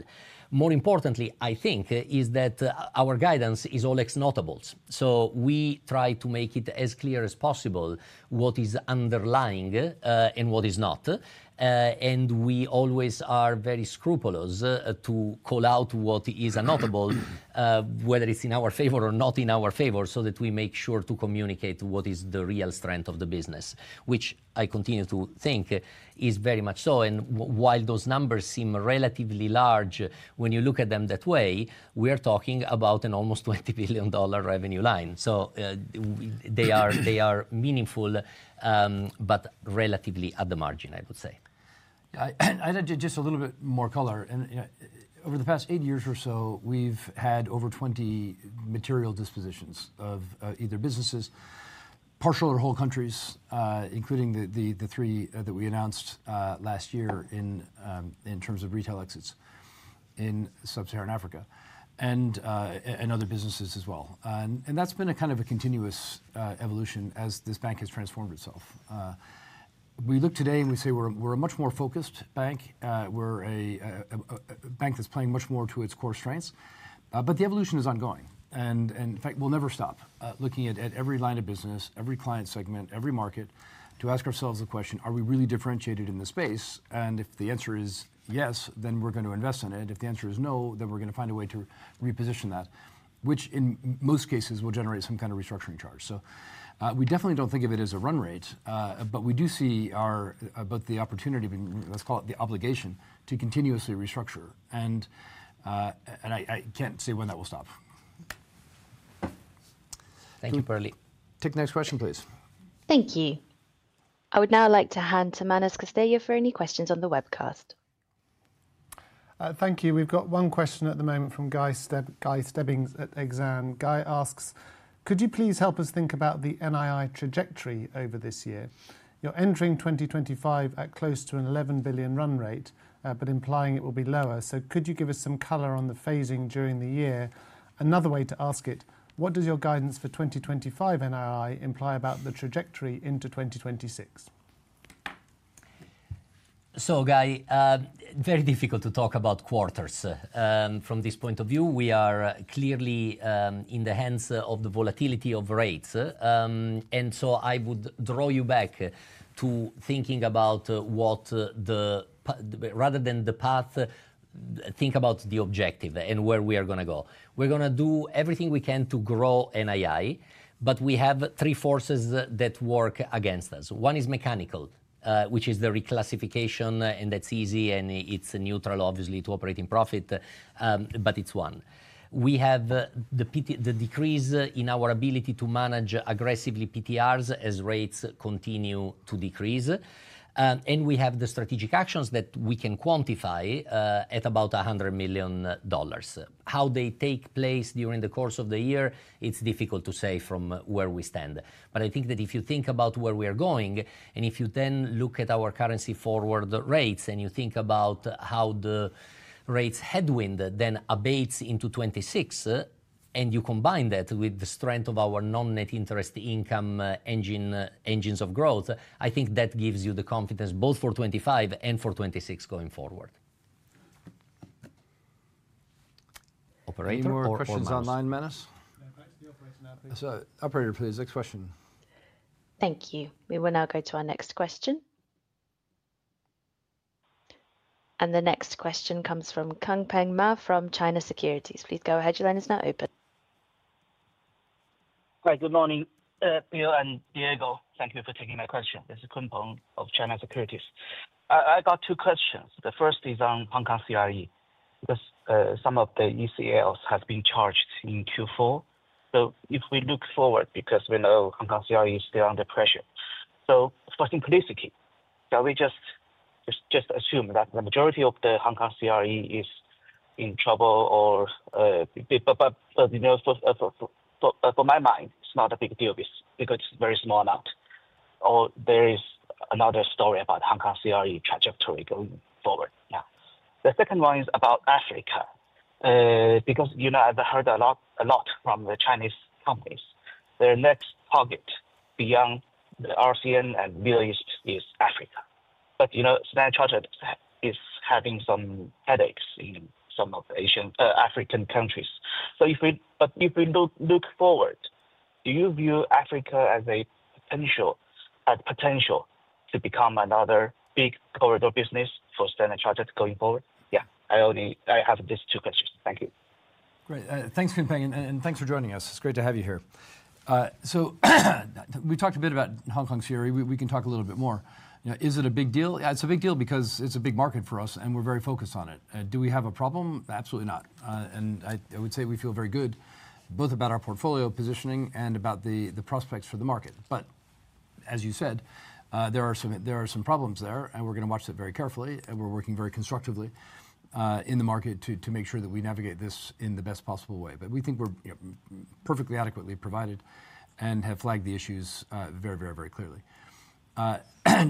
More importantly, I think, is that our guidance is all ex-notable. So we try to make it as clear as possible what is underlying and what is not. And we always are very scrupulous to call out what is a notable, whether it's in our favor or not in our favor, so that we make sure to communicate what is the real strength of the business, which I continue to think is very much so. And while those numbers seem relatively large when you look at them that way, we are talking about an almost $20 billion revenue line. So they are meaningful, but relatively at the margin, I would say. I'd add just a little bit more color. Over the past eight years or so, we've had over 20 material dispositions of either businesses, partial or whole countries, including the three that we announced last year in terms of retail exits in Sub-Saharan Africa and other businesses as well. And that's been a kind of a continuous evolution as this bank has transformed itself. We look today and we say we're a much more focused bank. We're a bank that's playing much more to its core strengths. But the evolution is ongoing. And in fact, we'll never stop looking at every line of business, every client segment, every market to ask ourselves the question, are we really differentiated in the space? And if the answer is yes, then we're going to invest in it. If the answer is no, then we're going to find a way to reposition that, which in most cases will generate some kind of restructuring charge. So we definitely don't think of it as a run rate, but we do see both the opportunity, let's call it the obligation, to continuously restructure. And I can't say when that will stop. Thank you, Perlie. Take the next question, please. Thank you. I would now like to hand to Manus Costello for any questions on the webcast. Thank you. We've got one question at the moment from Guy Stebbings at Exane. Guy asks, could you please help us think about the NII trajectory over this year? You're entering 2025 at close to an $11 billion run rate, but implying it will be lower. So could you give us some color on the phasing during the year? Another way to ask it, what does your guidance for 2025 NII imply about the trajectory into 2026? So, Guy, very difficult to talk about quarters from this point of view. We are clearly in the hands of the volatility of rates. And so I would draw you back to thinking about what the, rather than the path, think about the objective and where we are going to go. We're going to do everything we can to grow NII, but we have three forces that work against us. One is mechanical, which is the reclassification, and that's easy, and it's neutral, obviously, to operating profit, but it's one. We have the decrease in our ability to manage aggressively PTRs as rates continue to decrease, and we have the strategic actions that we can quantify at about $100 million. How they take place during the course of the year, it's difficult to say from where we stand. But I think that if you think about where we are going, and if you then look at our currency forward rates, and you think about how the rates headwind then abates into 2026, and you combine that with the strength of our non-net interest income engines of growth, I think that gives you the confidence both for 2025 and for 2026 going forward. Operator, more questions online, Manus? Operator, please. Next question. Thank you. We will now go to our next question. And the next question comes from Kunpeng Ma from China Securities. Please go ahead. Your line is now open. Hi, good morning, Perlie and Diego. Thank you for taking my question. This is Kunpeng of China Securities. I got two questions. The first is on Hong Kong CRE, because some of the ECLs have been charged in Q4. So if we look forward, because we know Hong Kong CRE is still under pressure. So for simplicity, shall we just assume that the majority of the Hong Kong CRE is in trouble or, but for my mind, it's not a big deal because it's a very small amount. Or there is another story about Hong Kong CRE trajectory going forward. Now, the second one is about Africa, because I've heard a lot from the Chinese companies. Their next target beyond the ASEAN and Middle East is Africa. But Standard Chartered is having some headaches in some of the African countries. But if we look forward, do you view Africa as a potential to become another big corridor business for Standard Chartered going forward? Yeah, I have these two questions. Thank you. Great. Thanks, Kunpeng Ma, and thanks for joining us. It's great to have you here. So we've talked a bit about Hong Kong CRE. We can talk a little bit more. Is it a big deal? It's a big deal because it's a big market for us, and we're very focused on it. Do we have a problem? Absolutely not. And I would say we feel very good both about our portfolio positioning and about the prospects for the market. But as you said, there are some problems there, and we're going to watch that very carefully, and we're working very constructively in the market to make sure that we navigate this in the best possible way. But we think we're perfectly adequately provided and have flagged the issues very, very, very clearly.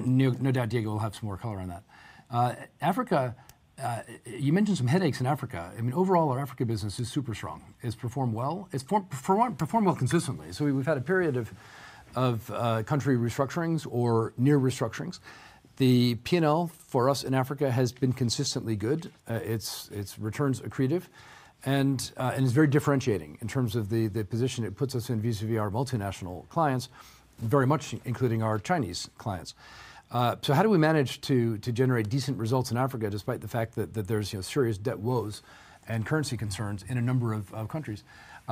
No doubt, Diego will have some more color on that. Africa, you mentioned some headaches in Africa. I mean, overall, our Africa business is super strong. It's performed well. It's performed well consistently. So we've had a period of country restructurings or near restructurings. The P&L for us in Africa has been consistently good. It's returns accretive, and it's very differentiating in terms of the position it puts us in vis-à-vis our multinational clients, very much including our Chinese clients. So how do we manage to generate decent results in Africa despite the fact that there's serious debt woes and currency concerns in a number of countries?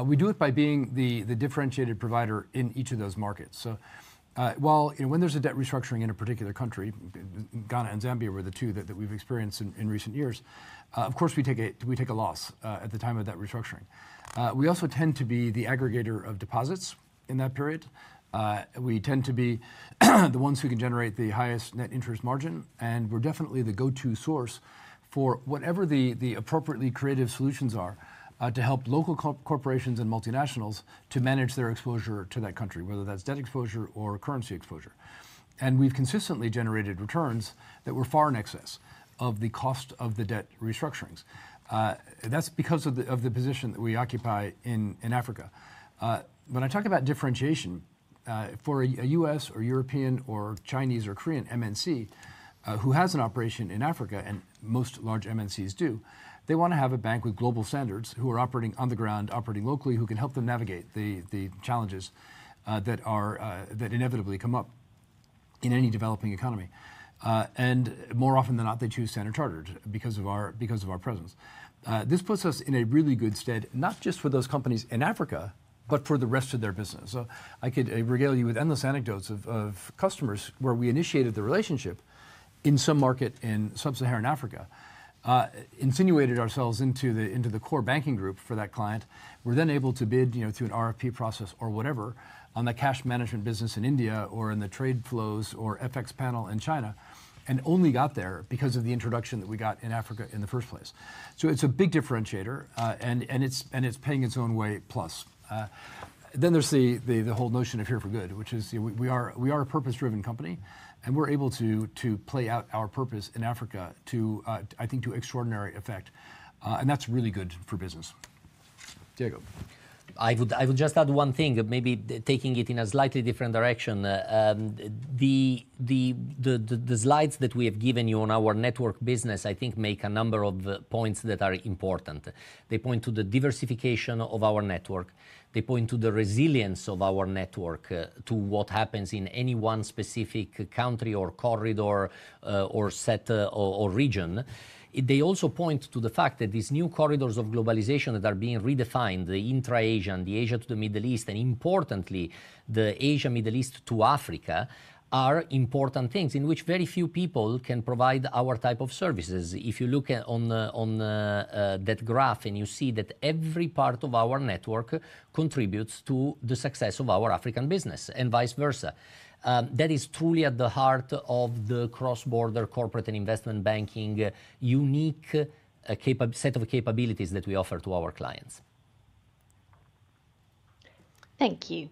We do it by being the differentiated provider in each of those markets. So while when there's a debt restructuring in a particular country, Ghana and Zambia were the two that we've experienced in recent years, of course, we take a loss at the time of that restructuring. We also tend to be the aggregator of deposits in that period. We tend to be the ones who can generate the highest net interest margin, and we're definitely the go-to source for whatever the appropriately creative solutions are to help local corporations and multinationals to manage their exposure to that country, whether that's debt exposure or currency exposure. And we've consistently generated returns that were far in excess of the cost of the debt restructurings. That's because of the position that we occupy in Africa. When I talk about differentiation, for a U.S. or European or Chinese or Korean MNC who has an operation in Africa, and most large MNCs do, they want to have a bank with global standards who are operating on the ground, operating locally, who can help them navigate the challenges that inevitably come up in any developing economy. And more often than not, they choose Standard Chartered because of our presence. This puts us in a really good stead, not just for those companies in Africa, but for the rest of their business. So I could regale you with endless anecdotes of customers where we initiated the relationship in some market in Sub-Saharan Africa, insinuated ourselves into the core banking group for that client. We're then able to bid through an RFP process or whatever on the cash management business in India or in the trade flows or FX panel in China, and only got there because of the introduction that we got in Africa in the first place. So it's a big differentiator, and it's paying its own way plus. Then there's the whole notion of Here for good, which is we are a purpose-driven company, and we're able to play out our purpose in Africa, I think, to extraordinary effect. And that's really good for business. Diego. I would just add one thing, maybe taking it in a slightly different direction. The slides that we have given you on our network business, I think, make a number of points that are important. They point to the diversification of our network. They point to the resilience of our network to what happens in any one specific country or corridor or set or region. They also point to the fact that these new corridors of globalization that are being redefined, the intra-Asian, the Asia to the Middle East, and importantly, the Asia-Middle East to Africa, are important things in which very few people can provide our type of services. If you look on that graph and you see that every part of our network contributes to the success of our African business and vice versa, that is truly at the heart of the cross-border corporate and investment banking unique set of capabilities that we offer to our clients. Thank you.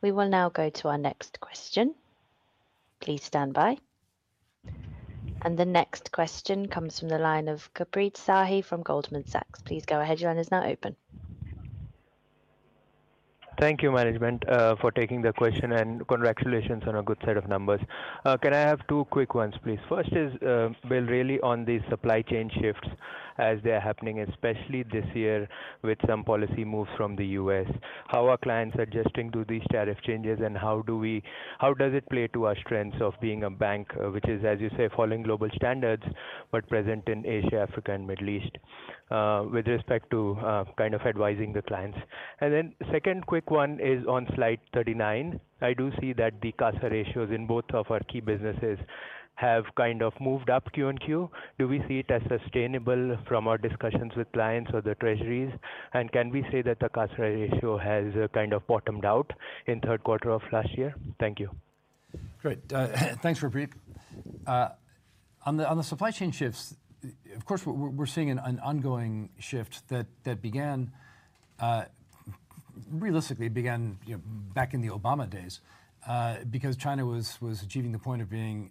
We will now go to our next question. Please stand by, and the next question comes from the line of Gurpreet Sahi from Goldman Sachs. Please go ahead. Your line is now open. Thank you, management, for taking the question and congratulations on a good set of numbers. Can I have two quick ones, please? First is Bill, really on the supply chain shifts as they're happening, especially this year with some policy moves from the U.S. How are clients adjusting to these tariff changes and how does it play to our strengths of being a bank, which is, as you say, following global standards, but present in Asia, Africa, and Middle East with respect to kind of advising the clients? And then second quick one is on slide 39. I do see that the cost ratios in both of our key businesses have kind of moved up Q and Q. Do we see it as sustainable from our discussions with clients or the treasuries? And can we say that the cost ratio has kind of bottomed out in third quarter of last year? Thank you. Great. Thanks, Gurpreet. On the supply chain shifts, of course, we're seeing an ongoing shift that realistically began back in the Obama days because China was achieving the point of being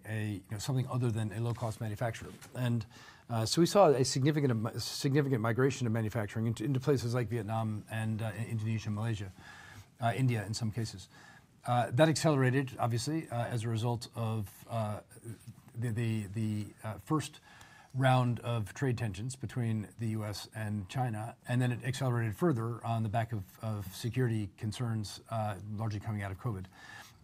something other than a low-cost manufacturer. And so we saw a significant migration of manufacturing into places like Vietnam and Indonesia, Malaysia, India in some cases. That accelerated, obviously, as a result of the first round of trade tensions between the U.S. and China. And then it accelerated further on the back of security concerns, largely coming out of COVID.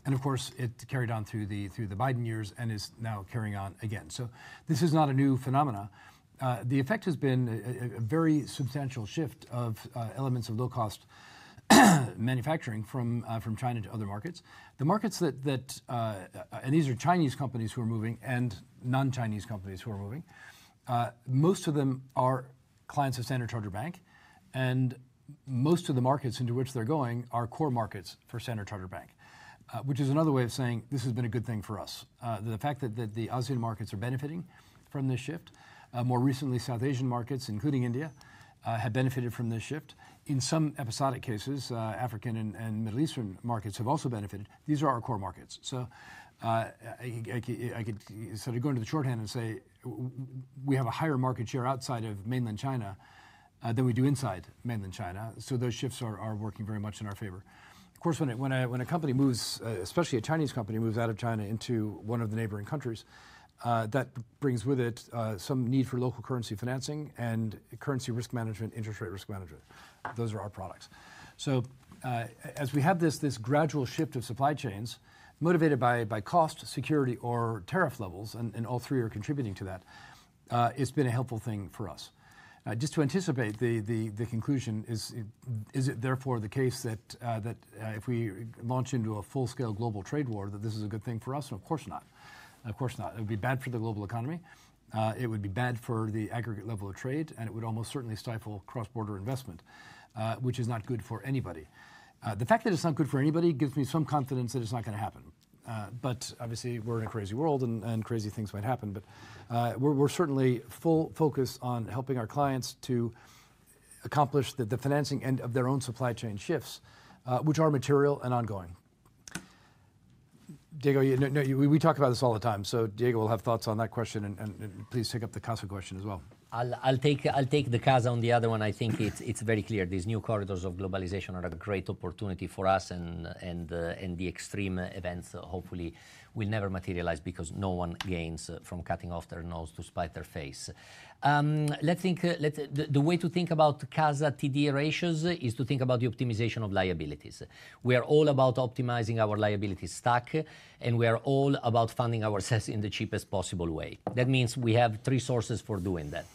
And of course, it carried on through the Biden years and is now carrying on again. So this is not a new phenomenon. The effect has been a very substantial shift of elements of low-cost manufacturing from China to other markets. The markets that, and these are Chinese companies who are moving and non-Chinese companies who are moving, most of them are clients of Standard Chartered Bank. And most of the markets into which they're going are core markets for Standard Chartered Bank, which is another way of saying this has been a good thing for us. The fact that the ASEAN markets are benefiting from this shift. More recently, South Asian markets, including India, have benefited from this shift. In some episodic cases, African and Middle Eastern markets have also benefited. These are our core markets. So I could sort of go into the shorthand and say we have a higher market share outside of mainland China than we do inside mainland China. So those shifts are working very much in our favor. Of course, when a company moves, especially a Chinese company moves out of China into one of the neighboring countries, that brings with it some need for local currency financing and currency risk management, interest rate risk management. Those are our products. So as we have this gradual shift of supply chains motivated by cost, security, or tariff levels, and all three are contributing to that, it's been a helpful thing for us. Now, just to anticipate the conclusion, is it therefore the case that if we launch into a full-scale global trade war, that this is a good thing for us? Of course not. Of course not. It would be bad for the global economy. It would be bad for the aggregate level of trade, and it would almost certainly stifle cross-border investment, which is not good for anybody. The fact that it's not good for anybody gives me some confidence that it's not going to happen. But obviously, we're in a crazy world, and crazy things might happen. But we're certainly full focus on helping our clients to accomplish the financing end of their own supply chain shifts, which are material and ongoing. Diego, we talk about this all the time. So Diego will have thoughts on that question, and please take up the CASA question as well. I'll take the CASA on the other one. I think it's very clear. These new corridors of globalization are a great opportunity for us, and the extreme events hopefully will never materialize because no one gains from cutting off their nose to spite their face. The way to think about CASA TD ratios is to think about the optimization of liabilities. We are all about optimizing our liability stack, and we are all about funding ourselves in the cheapest possible way. That means we have three sources for doing that.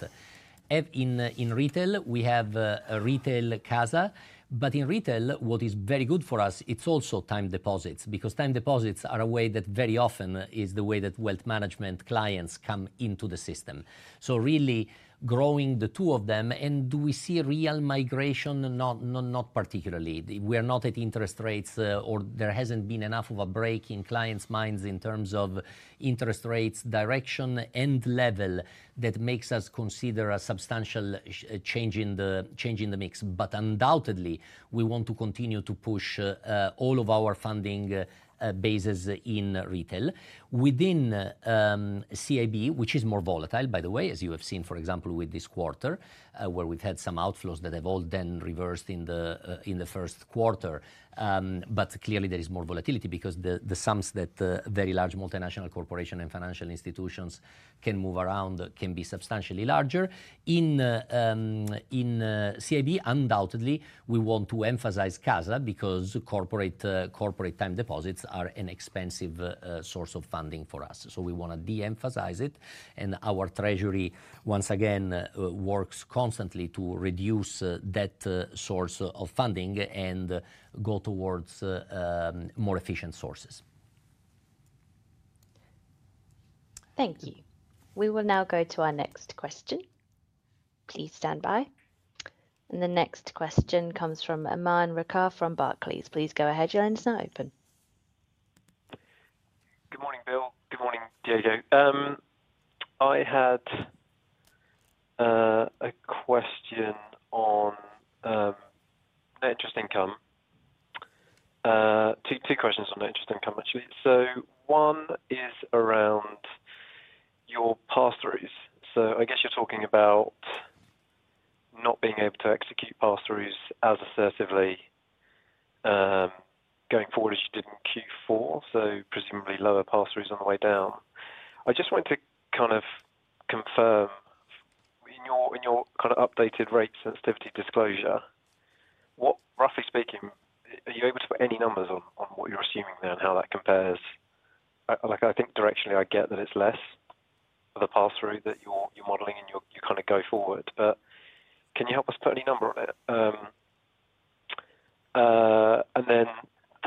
In retail, we have a retail CASA. But in retail, what is very good for us, it's also time deposits, because time deposits are a way that very often is the way that wealth management clients come into the system. So really growing the two of them, and do we see real migration? Not particularly. We are not at interest rates, or there hasn't been enough of a break in clients' minds in terms of interest rates direction and level that makes us consider a substantial change in the mix. But undoubtedly, we want to continue to push all of our funding bases in retail. Within CIB, which is more volatile, by the way, as you have seen, for example, with this quarter, where we've had some outflows that have all then reversed in the first quarter. But clearly, there is more volatility because the sums that very large multinational corporations and financial institutions can move around can be substantially larger. In CIB, undoubtedly, we want to emphasize CASA because corporate time deposits are an expensive source of funding for us. So we want to de-emphasize it. And our treasury, once again, works constantly to reduce that source of funding and go towards more efficient sources. Thank you. We will now go to our next question. Please stand by. And the next question comes from Aman Rakkar from Barclays, please. Please go ahead. Your line is now open. Good morning, Bill. Good morning, Diego. I had a question on net interest income. Two questions on net interest income, actually. So one is around your pass-throughs. I guess you're talking about not being able to execute pass-throughs as assertively going forward as you did in Q4, so presumably lower pass-throughs on the way down. I just wanted to kind of confirm in your kind of updated rate sensitivity disclosure, what, roughly speaking, are you able to put any numbers on what you're assuming there and how that compares? I think directionally, I get that it's less for the pass-through that you're modeling and you kind of go forward. But can you help us put any number on it? And then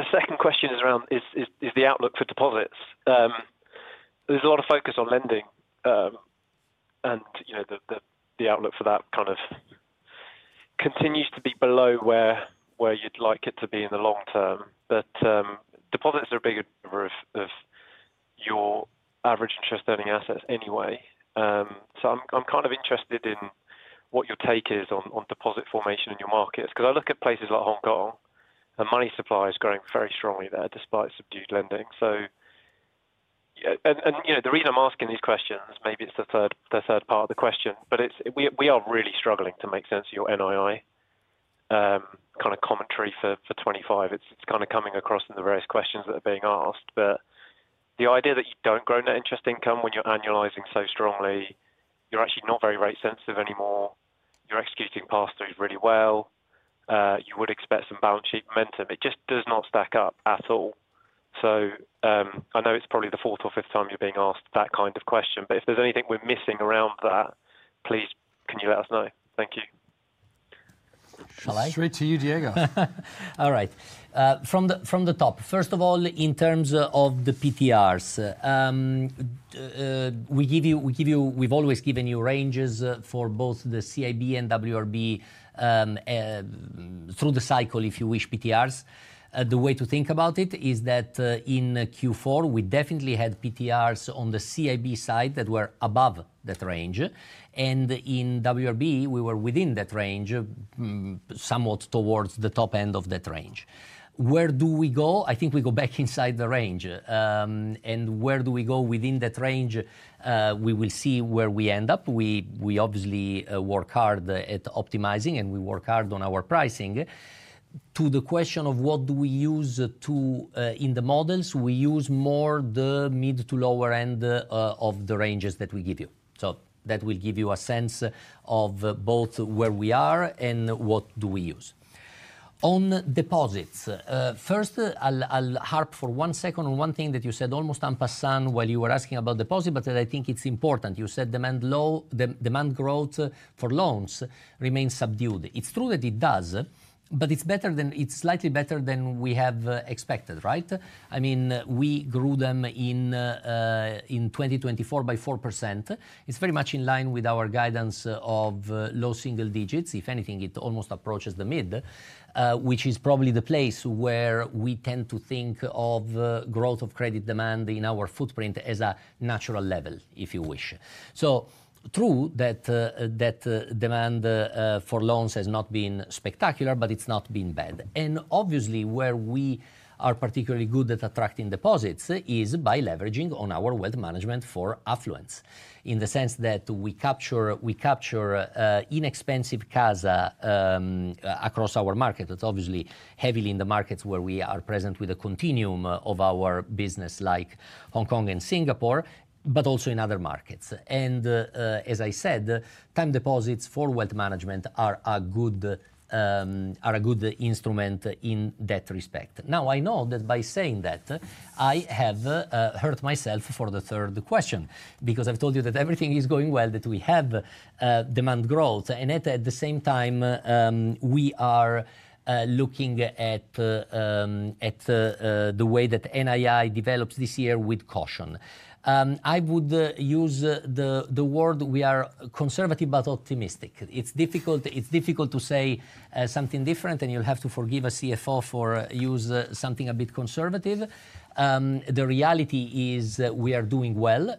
the second question is around the outlook for deposits. There's a lot of focus on lending, and the outlook for that kind of continues to be below where you'd like it to be in the long term. But deposits are a bigger number of your average interest-earning assets anyway. I'm kind of interested in what your take is on deposit formation in your markets, because I look at places like Hong Kong, and money supply is growing very strongly there despite subdued lending. And the reason I'm asking these questions, maybe it's the third part of the question, but we are really struggling to make sense of your NII kind of commentary for 2025. It's kind of coming across in the various questions that are being asked. But the idea that you don't grow net interest income when you're annualizing so strongly. You're actually not very rate-sensitive anymore. You're executing pass-throughs really well. You would expect some balance sheet momentum. It just does not stack up at all. So I know it's probably the fourth or fifth time you're being asked that kind of question. But if there's anything we're missing around that, please, can you let us know? Thank you. Shall I? Straight to you, Diego. All right. From the top, first of all, in terms of the PTRs, we've always given you ranges for both the CIB and WRB through the cycle, if you wish, PTRs. The way to think about it is that in Q4, we definitely had PTRs on the CIB side that were above that range. And in WRB, we were within that range, somewhat towards the top end of that range. Where do we go? I think we go back inside the range. And where do we go within that range? We will see where we end up. We obviously work hard at optimizing, and we work hard on our pricing. To the question of what do we use in the models, we use more the mid to lower end of the ranges that we give you. So that will give you a sense of both where we are and what do we use. On deposits, first, I'll harp for one second on one thing that you said almost en passant while you were asking about deposits, but I think it's important. You said demand growth for loans remains subdued. It's true that it does, but it's slightly better than we have expected, right? I mean, we grew them in 2024 by 4%. It's very much in line with our guidance of low single digits. If anything, it almost approaches the mid, which is probably the place where we tend to think of growth of credit demand in our footprint as a natural level, if you wish. So, true that demand for loans has not been spectacular, but it's not been bad. And obviously, where we are particularly good at attracting deposits is by leveraging on our wealth management for affluent, in the sense that we capture inexpensive CASA across our market. It's obviously heavily in the markets where we are present with a continuum of our business, like Hong Kong and Singapore, but also in other markets. And as I said, time deposits for wealth management are a good instrument in that respect. Now, I know that by saying that, I have hurt myself for the third question, because I've told you that everything is going well, that we have demand growth, and at the same time, we are looking at the way that NII develops this year with caution. I would use the word we are conservative but optimistic. It's difficult to say something different, and you'll have to forgive a CFO for using something a bit conservative. The reality is we are doing well,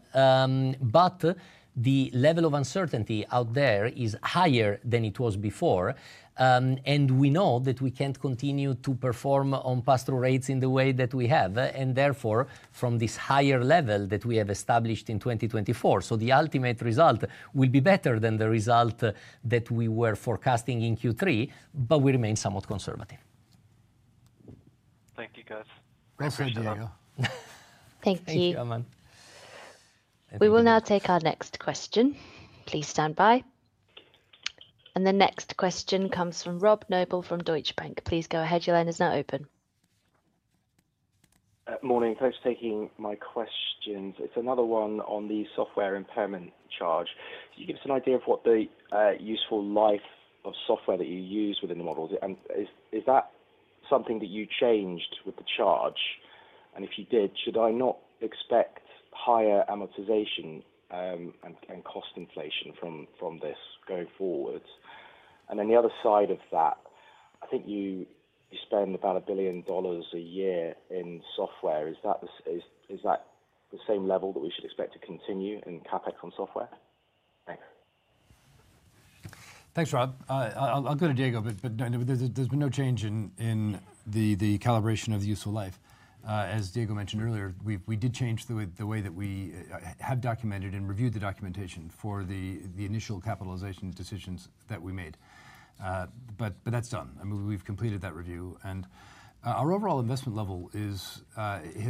but the level of uncertainty out there is higher than it was before, and we know that we can't continue to perform on pass-through rates in the way that we have, and therefore, from this higher level that we have established in 2024, so the ultimate result will be better than the result that we were forecasting in Q3, but we remain somewhat conservative. Thank you, guys. Thanks for your time, Diego. Thank you. Thank you, Aman. We will now take our next question. Please stand by, and the next question comes from Rob Noble from Deutsche Bank. Please go ahead. Your line is now open. Morning. Thanks for taking my questions. It's another one on the software impairment charge. Can you give us an idea of what the useful life of software that you use within the model is? And is that something that you changed with the charge? And if you did, should I not expect higher amortization and cost inflation from this going forward? And then the other side of that, I think you spend about $1 billion a year in software. Is that the same level that we should expect to continue in CapEx on software? Thanks. Thanks, Rob. I'll go to Diego, but there's been no change in the calibration of the useful life. As Diego mentioned earlier, we did change the way that we have documented and reviewed the documentation for the initial capitalization decisions that we made. But that's done. I mean, we've completed that review. And our overall investment level has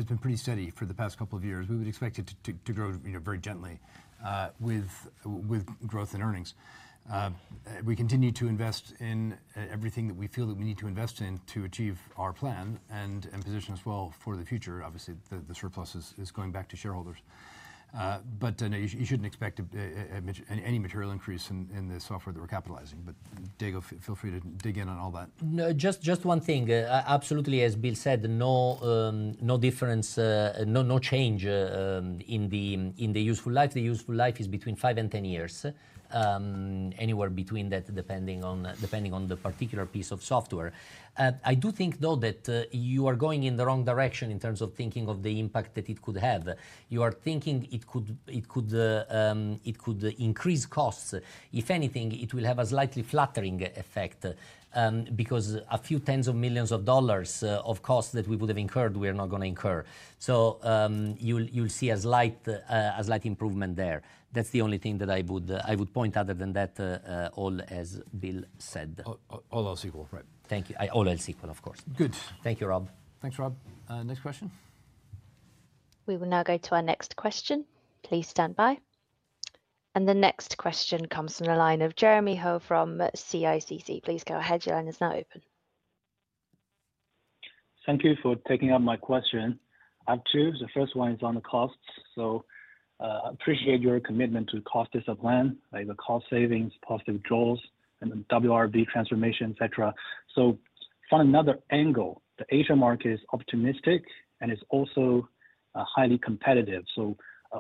been pretty steady for the past couple of years. We would expect it to grow very gently with growth in earnings. We continue to invest in everything that we feel that we need to invest in to achieve our plan and position us well for the future. Obviously, the surplus is going back to shareholders. But you shouldn't expect any material increase in the software that we're capitalizing. But Diego, feel free to dig in on all that. Just one thing. Absolutely, as Bill said, no difference, no change in the useful life. The useful life is between five and ten years, anywhere between that, depending on the particular piece of software. I do think, though, that you are going in the wrong direction in terms of thinking of the impact that it could have. You are thinking it could increase costs. If anything, it will have a slightly flattering effect, because a few tens of millions of dollars of costs that we would have incurred, we are not going to incur. So you'll see a slight improvement there. That's the only thing that I would point other than that, all as Bill said. All else equal, right? Thank you. All else equal, of course. Good. Thank you, Rob. Thanks, Rob. Next question. We will now go to our next question. Please stand by. And the next question comes from the line of Jeremy Hou from CICC. Please go ahead. Your line is now open. Thank you for taking up my question. I have two. The first one is on the costs. So I appreciate your commitment to cost discipline, like the cost savings, positive draws, and the WRB transformation, etc. From another angle, the Asia market is optimistic and is also highly competitive.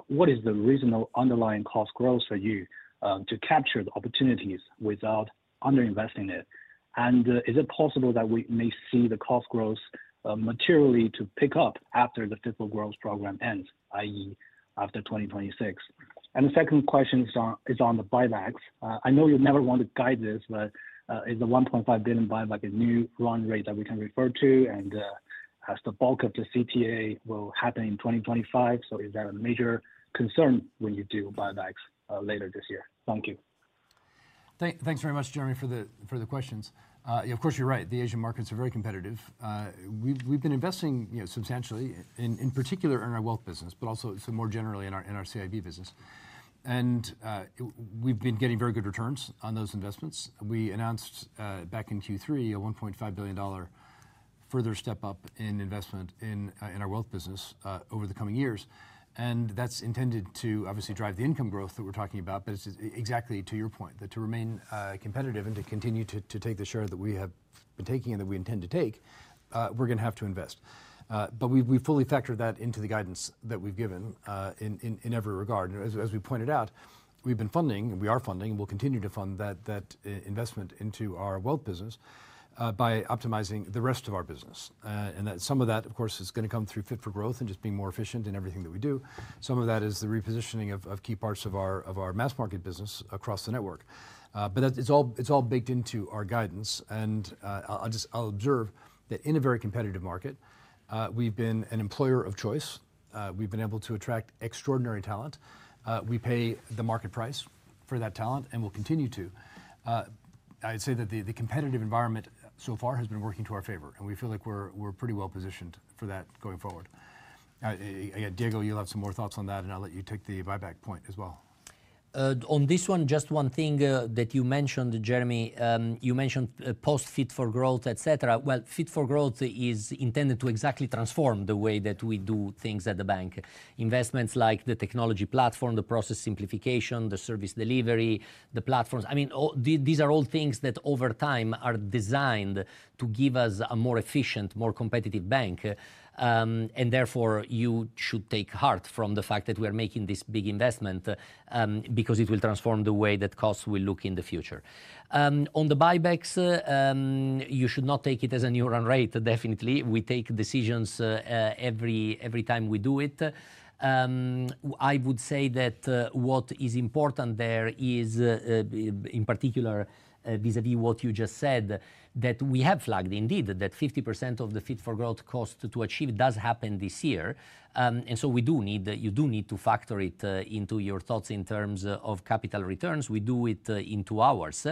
What is the reasonable underlying cost growth for you to capture the opportunities without underinvesting it? Is it possible that we may see the cost growth materially pick up after the Fit for Growth program ends, i.e., after 2026? The second question is on the buybacks. I know you never want to guide this, but is the $1.5 billion buyback a new run rate that we can refer to? Has the bulk of the CTA will happen in 2025? Is that a major concern when you do buybacks later this year? Thank you. Thanks very much, Jeremy, for the questions. Of course, you are right. The Asia markets are very competitive. We have been investing substantially, in particular in our wealth business, but also more generally in our CIB business. We've been getting very good returns on those investments. We announced back in Q3 a $1.5 billion further step up in investment in our wealth business over the coming years. That's intended to obviously drive the income growth that we're talking about. But exactly to your point, that, to remain competitive and to continue to take the share that we have been taking and that we intend to take, we're going to have to invest. We fully factor that into the guidance that we've given in every regard. As we pointed out, we've been funding, and we are funding, and we'll continue to fund that investment into our wealth business by optimizing the rest of our business. Some of that, of course, is going to come through Fit for Growth and just being more efficient in everything that we do. Some of that is the repositioning of key parts of our mass market business across the network. But it's all baked into our guidance. And I'll observe that in a very competitive market, we've been an employer of choice. We've been able to attract extraordinary talent. We pay the market price for that talent, and we'll continue to. I'd say that the competitive environment so far has been working to our favor, and we feel like we're pretty well positioned for that going forward. Again, Diego, you'll have some more thoughts on that, and I'll let you take the buyback point as well. On this one, just one thing that you mentioned, Jeremy. You mentioned post-Fit for Growth growth, etc. Well, Fit for Growth is intended to exactly transform the way that we do things at the bank. Investments like the technology platform, the process simplification, the service delivery, the platforms. I mean, these are all things that over time are designed to give us a more efficient, more competitive bank. And therefore, you should take heart from the fact that we are making this big investment, because it will transform the way that costs will look in the future. On the buybacks, you should not take it as a new run rate, definitely. We take decisions every time we do it. I would say that what is important there is, in particular, vis-à-vis what you just said, that we have flagged indeed that 50% of the Fit for Growth cost to achieve does happen this year. And so we do need to factor it into your thoughts in terms of capital returns. We do it in two hours.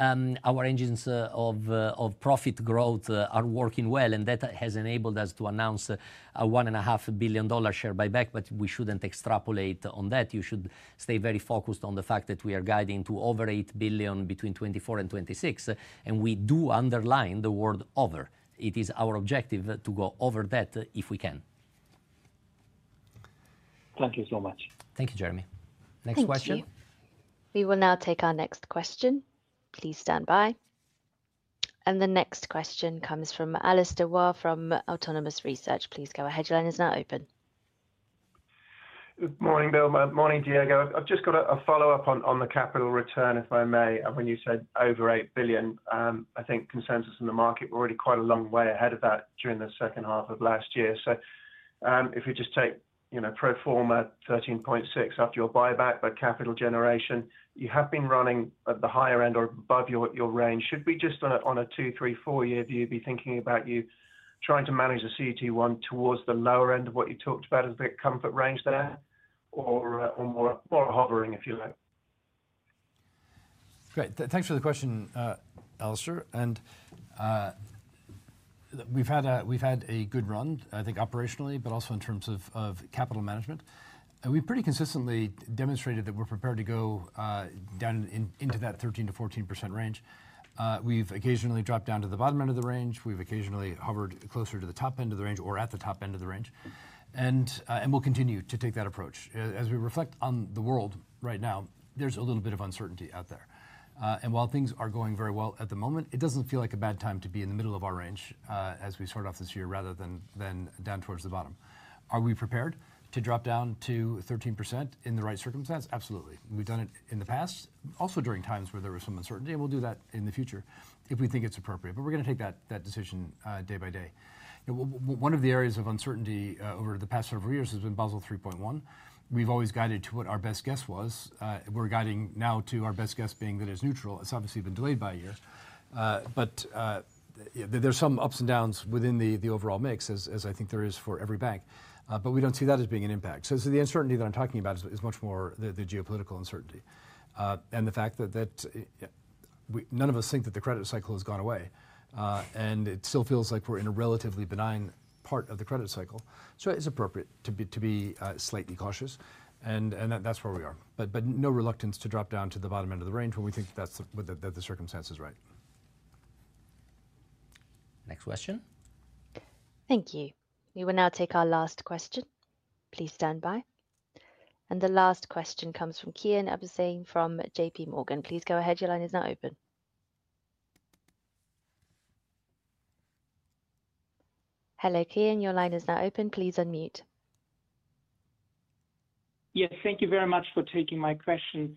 Our engines of profit growth are working well, and that has enabled us to announce a $1.5 billion share buyback, but we shouldn't extrapolate on that. You should stay very focused on the fact that we are guiding to over $8 billion between 2024 and 2026. We do underline the word over. It is our objective to go over that if we can. Thank you so much. Thank you, Jeremy. Next question. Thank you. We will now take our next question. Please stand by. The next question comes from Alistair Warr from Autonomous Research. Please go ahead. Your line is now open. Morning, Bill. Morning, Diego. I've just got a follow-up on the capital return, if I may. When you said over $8 billion, I think consensus in the market, we're already quite a long way ahead of that during the second half of last year. So if we just take pro forma 13.6% after your buyback by capital generation, you have been running at the higher end or above your range. Should we just on a two, three, four-year view be thinking about you trying to manage the CET1 towards the lower end of what you talked about as the comfort range there or more hovering, if you like? Great. Thanks for the question, Alistair. And we've had a good run, I think, operationally, but also in terms of capital management. We've pretty consistently demonstrated that we're prepared to go down into that 13%-14% range. We've occasionally dropped down to the bottom end of the range. We've occasionally hovered closer to the top end of the range or at the top end of the range. And we'll continue to take that approach. As we reflect on the world right now, there's a little bit of uncertainty out there, and while things are going very well at the moment, it doesn't feel like a bad time to be in the middle of our range as we sort of this year rather than down towards the bottom. Are we prepared to drop down to 13% in the right circumstances? Absolutely. We've done it in the past, also during times where there was some uncertainty, and we'll do that in the future if we think it's appropriate, but we're going to take that decision day by day. One of the areas of uncertainty over the past several years has been Basel 3.1. We've always guided to what our best guess was. We're guiding now to our best guess being that it's neutral. It's obviously been delayed by a year. But there's some ups and downs within the overall mix, as I think there is for every bank. But we don't see that as being an impact. So the uncertainty that I'm talking about is much more the geopolitical uncertainty and the fact that none of us think that the credit cycle has gone away. And it still feels like we're in a relatively benign part of the credit cycle. So it's appropriate to be slightly cautious. And that's where we are. But no reluctance to drop down to the bottom end of the range when we think that the circumstance is right. Next question. Thank you. We will now take our last question. Please stand by. And the last question comes from Kian Abouhossein from J.P. Morgan. Please go ahead. Your line is now open. Hello, Kian. Your line is now open. Please unmute. Yes, thank you very much for taking my question.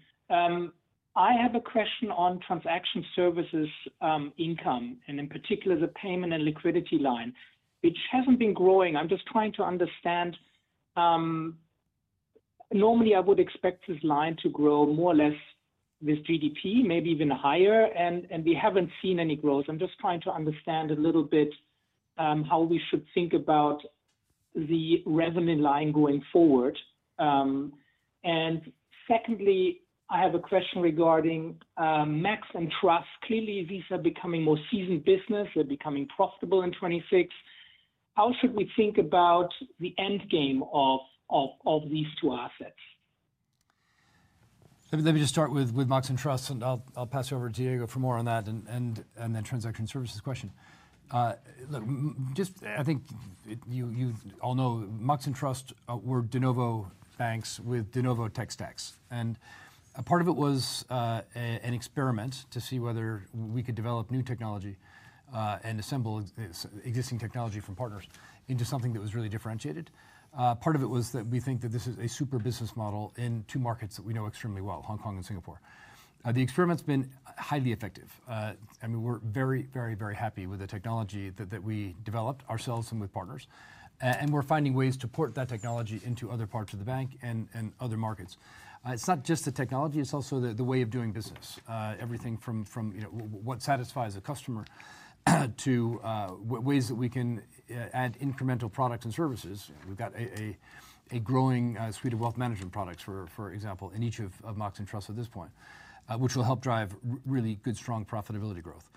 I have a question on transaction services income and in particular the payment and liquidity line, which hasn't been growing. I'm just trying to understand. Normally, I would expect this line to grow more or less with GDP, maybe even higher. And we haven't seen any growth. I'm just trying to understand a little bit how we should think about the revenue line going forward. And secondly, I have a question regarding Mox and Trust. Clearly, these are becoming more seasoned business. They're becoming profitable in 2026. How should we think about the end game of these two assets? Let me just start with Mox and Trust, and I'll pass it over to Diego for more on that and that transaction services question. Look, I just think you all know Mox and Trust were de novo banks with de novo tech stacks. Part of it was an experiment to see whether we could develop new technology and assemble existing technology from partners into something that was really differentiated. Part of it was that we think that this is a super business model in two markets that we know extremely well, Hong Kong and Singapore. The experiment's been highly effective. I mean, we're very, very, very happy with the technology that we developed ourselves and with partners. And we're finding ways to port that technology into other parts of the bank and other markets. It's not just the technology. It's also the way of doing business. Everything from what satisfies a customer to ways that we can add incremental products and services. We've got a growing suite of wealth management products, for example, in each of Mox and Trust at this point, which will help drive really good, strong profitability growth.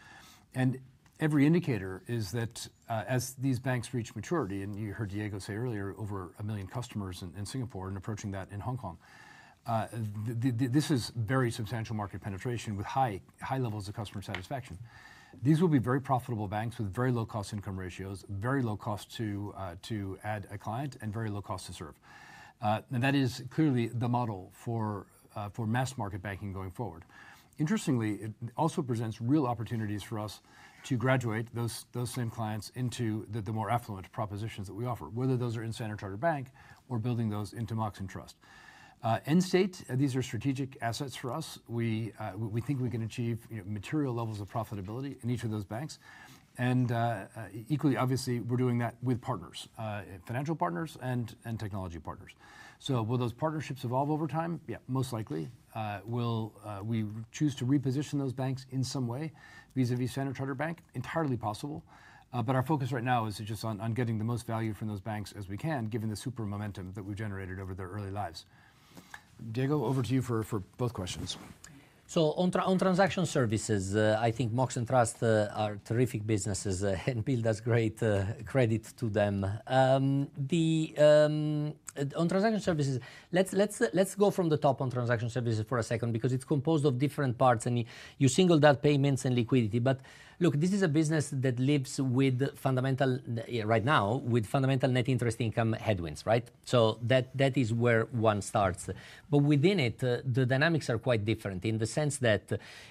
And every indicator is that as these banks reach maturity, and you heard Diego say earlier, over a million customers in Singapore and approaching that in Hong Kong, this is very substantial market penetration with high levels of customer satisfaction. These will be very profitable banks with very low cost-income ratios, very low cost to add a client, and very low cost to serve. And that is clearly the model for mass market banking going forward. Interestingly, it also presents real opportunities for us to graduate those same clients into the more affluent propositions that we offer, whether those are in Standard Chartered Bank or building those into Mox and Trust. End state, these are strategic assets for us. We think we can achieve material levels of profitability in each of those banks. And equally, obviously, we're doing that with partners, financial partners and technology partners. So will those partnerships evolve over time? Yeah, most likely. Will we choose to reposition those banks in some way vis-à-vis Standard Chartered Bank? Entirely possible. But our focus right now is just on getting the most value from those banks as we can, given the super momentum that we've generated over their early lives. Diego, over to you for both questions. So on transaction services, I think Mox and Trust are terrific businesses and give us great credit to them. On transaction services, let's go from the top on transaction services for a second because it's composed of different parts. And you single out payments and liquidity. But look, this is a business that lives with fundamental right now with fundamental net interest income headwinds, right? So that is where one starts. But within it, the dynamics are quite different in the sense that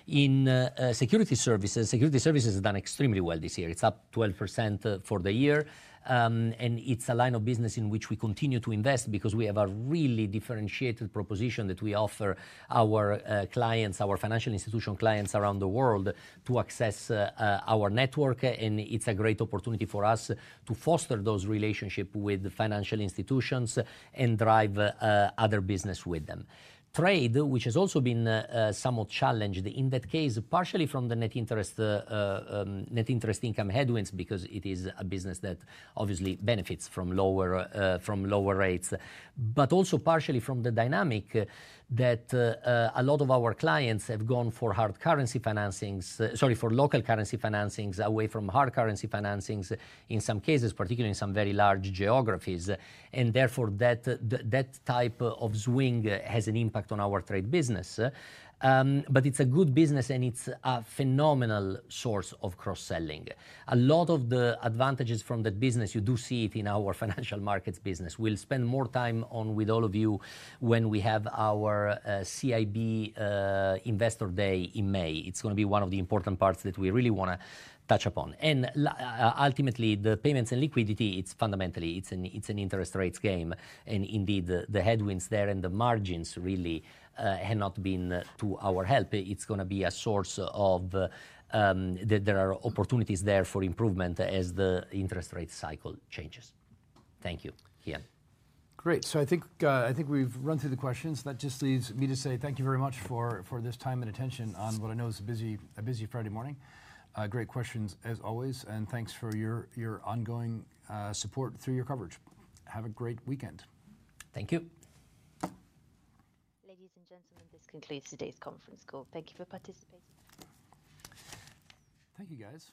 in securities services, securities services have done extremely well this year. It's up 12% for the year. And it's a line of business in which we continue to invest because we have a really differentiated proposition that we offer our clients, our financial institution clients around the world to access our network. And it's a great opportunity for us to foster those relationships with financial institutions and drive other business with them. Trade, which has also been somewhat challenged in that case, partially from the net interest income headwinds because it is a business that obviously benefits from lower rates, but also partially from the dynamic that a lot of our clients have gone for hard currency financings, sorry, for local currency financings away from hard currency financings in some cases, particularly in some very large geographies, and therefore, that type of swing has an impact on our trade business, but it's a good business, and it's a phenomenal source of cross-selling. A lot of the advantages from that business, you do see it in our financial markets business. We'll spend more time with all of you when we have our CIB Investor Day in May. It's going to be one of the important parts that we really want to touch upon. And ultimately, the payments and liquidity, it's fundamentally, it's an interest rates game. And indeed, the headwinds there and the margins really have not been to our help. It's going to be a source of. There are opportunities there for improvement as the interest rate cycle changes. Thank you, Kian. Great. So I think we've run through the questions. That just leaves me to say thank you very much for this time and attention on what I know is a busy Friday morning. Great questions, as always. And thanks for your ongoing support through your coverage. Have a great weekend. Thank you. Ladies and gentlemen, this concludes today's conference call. Thank you for participating. Thank you, guys.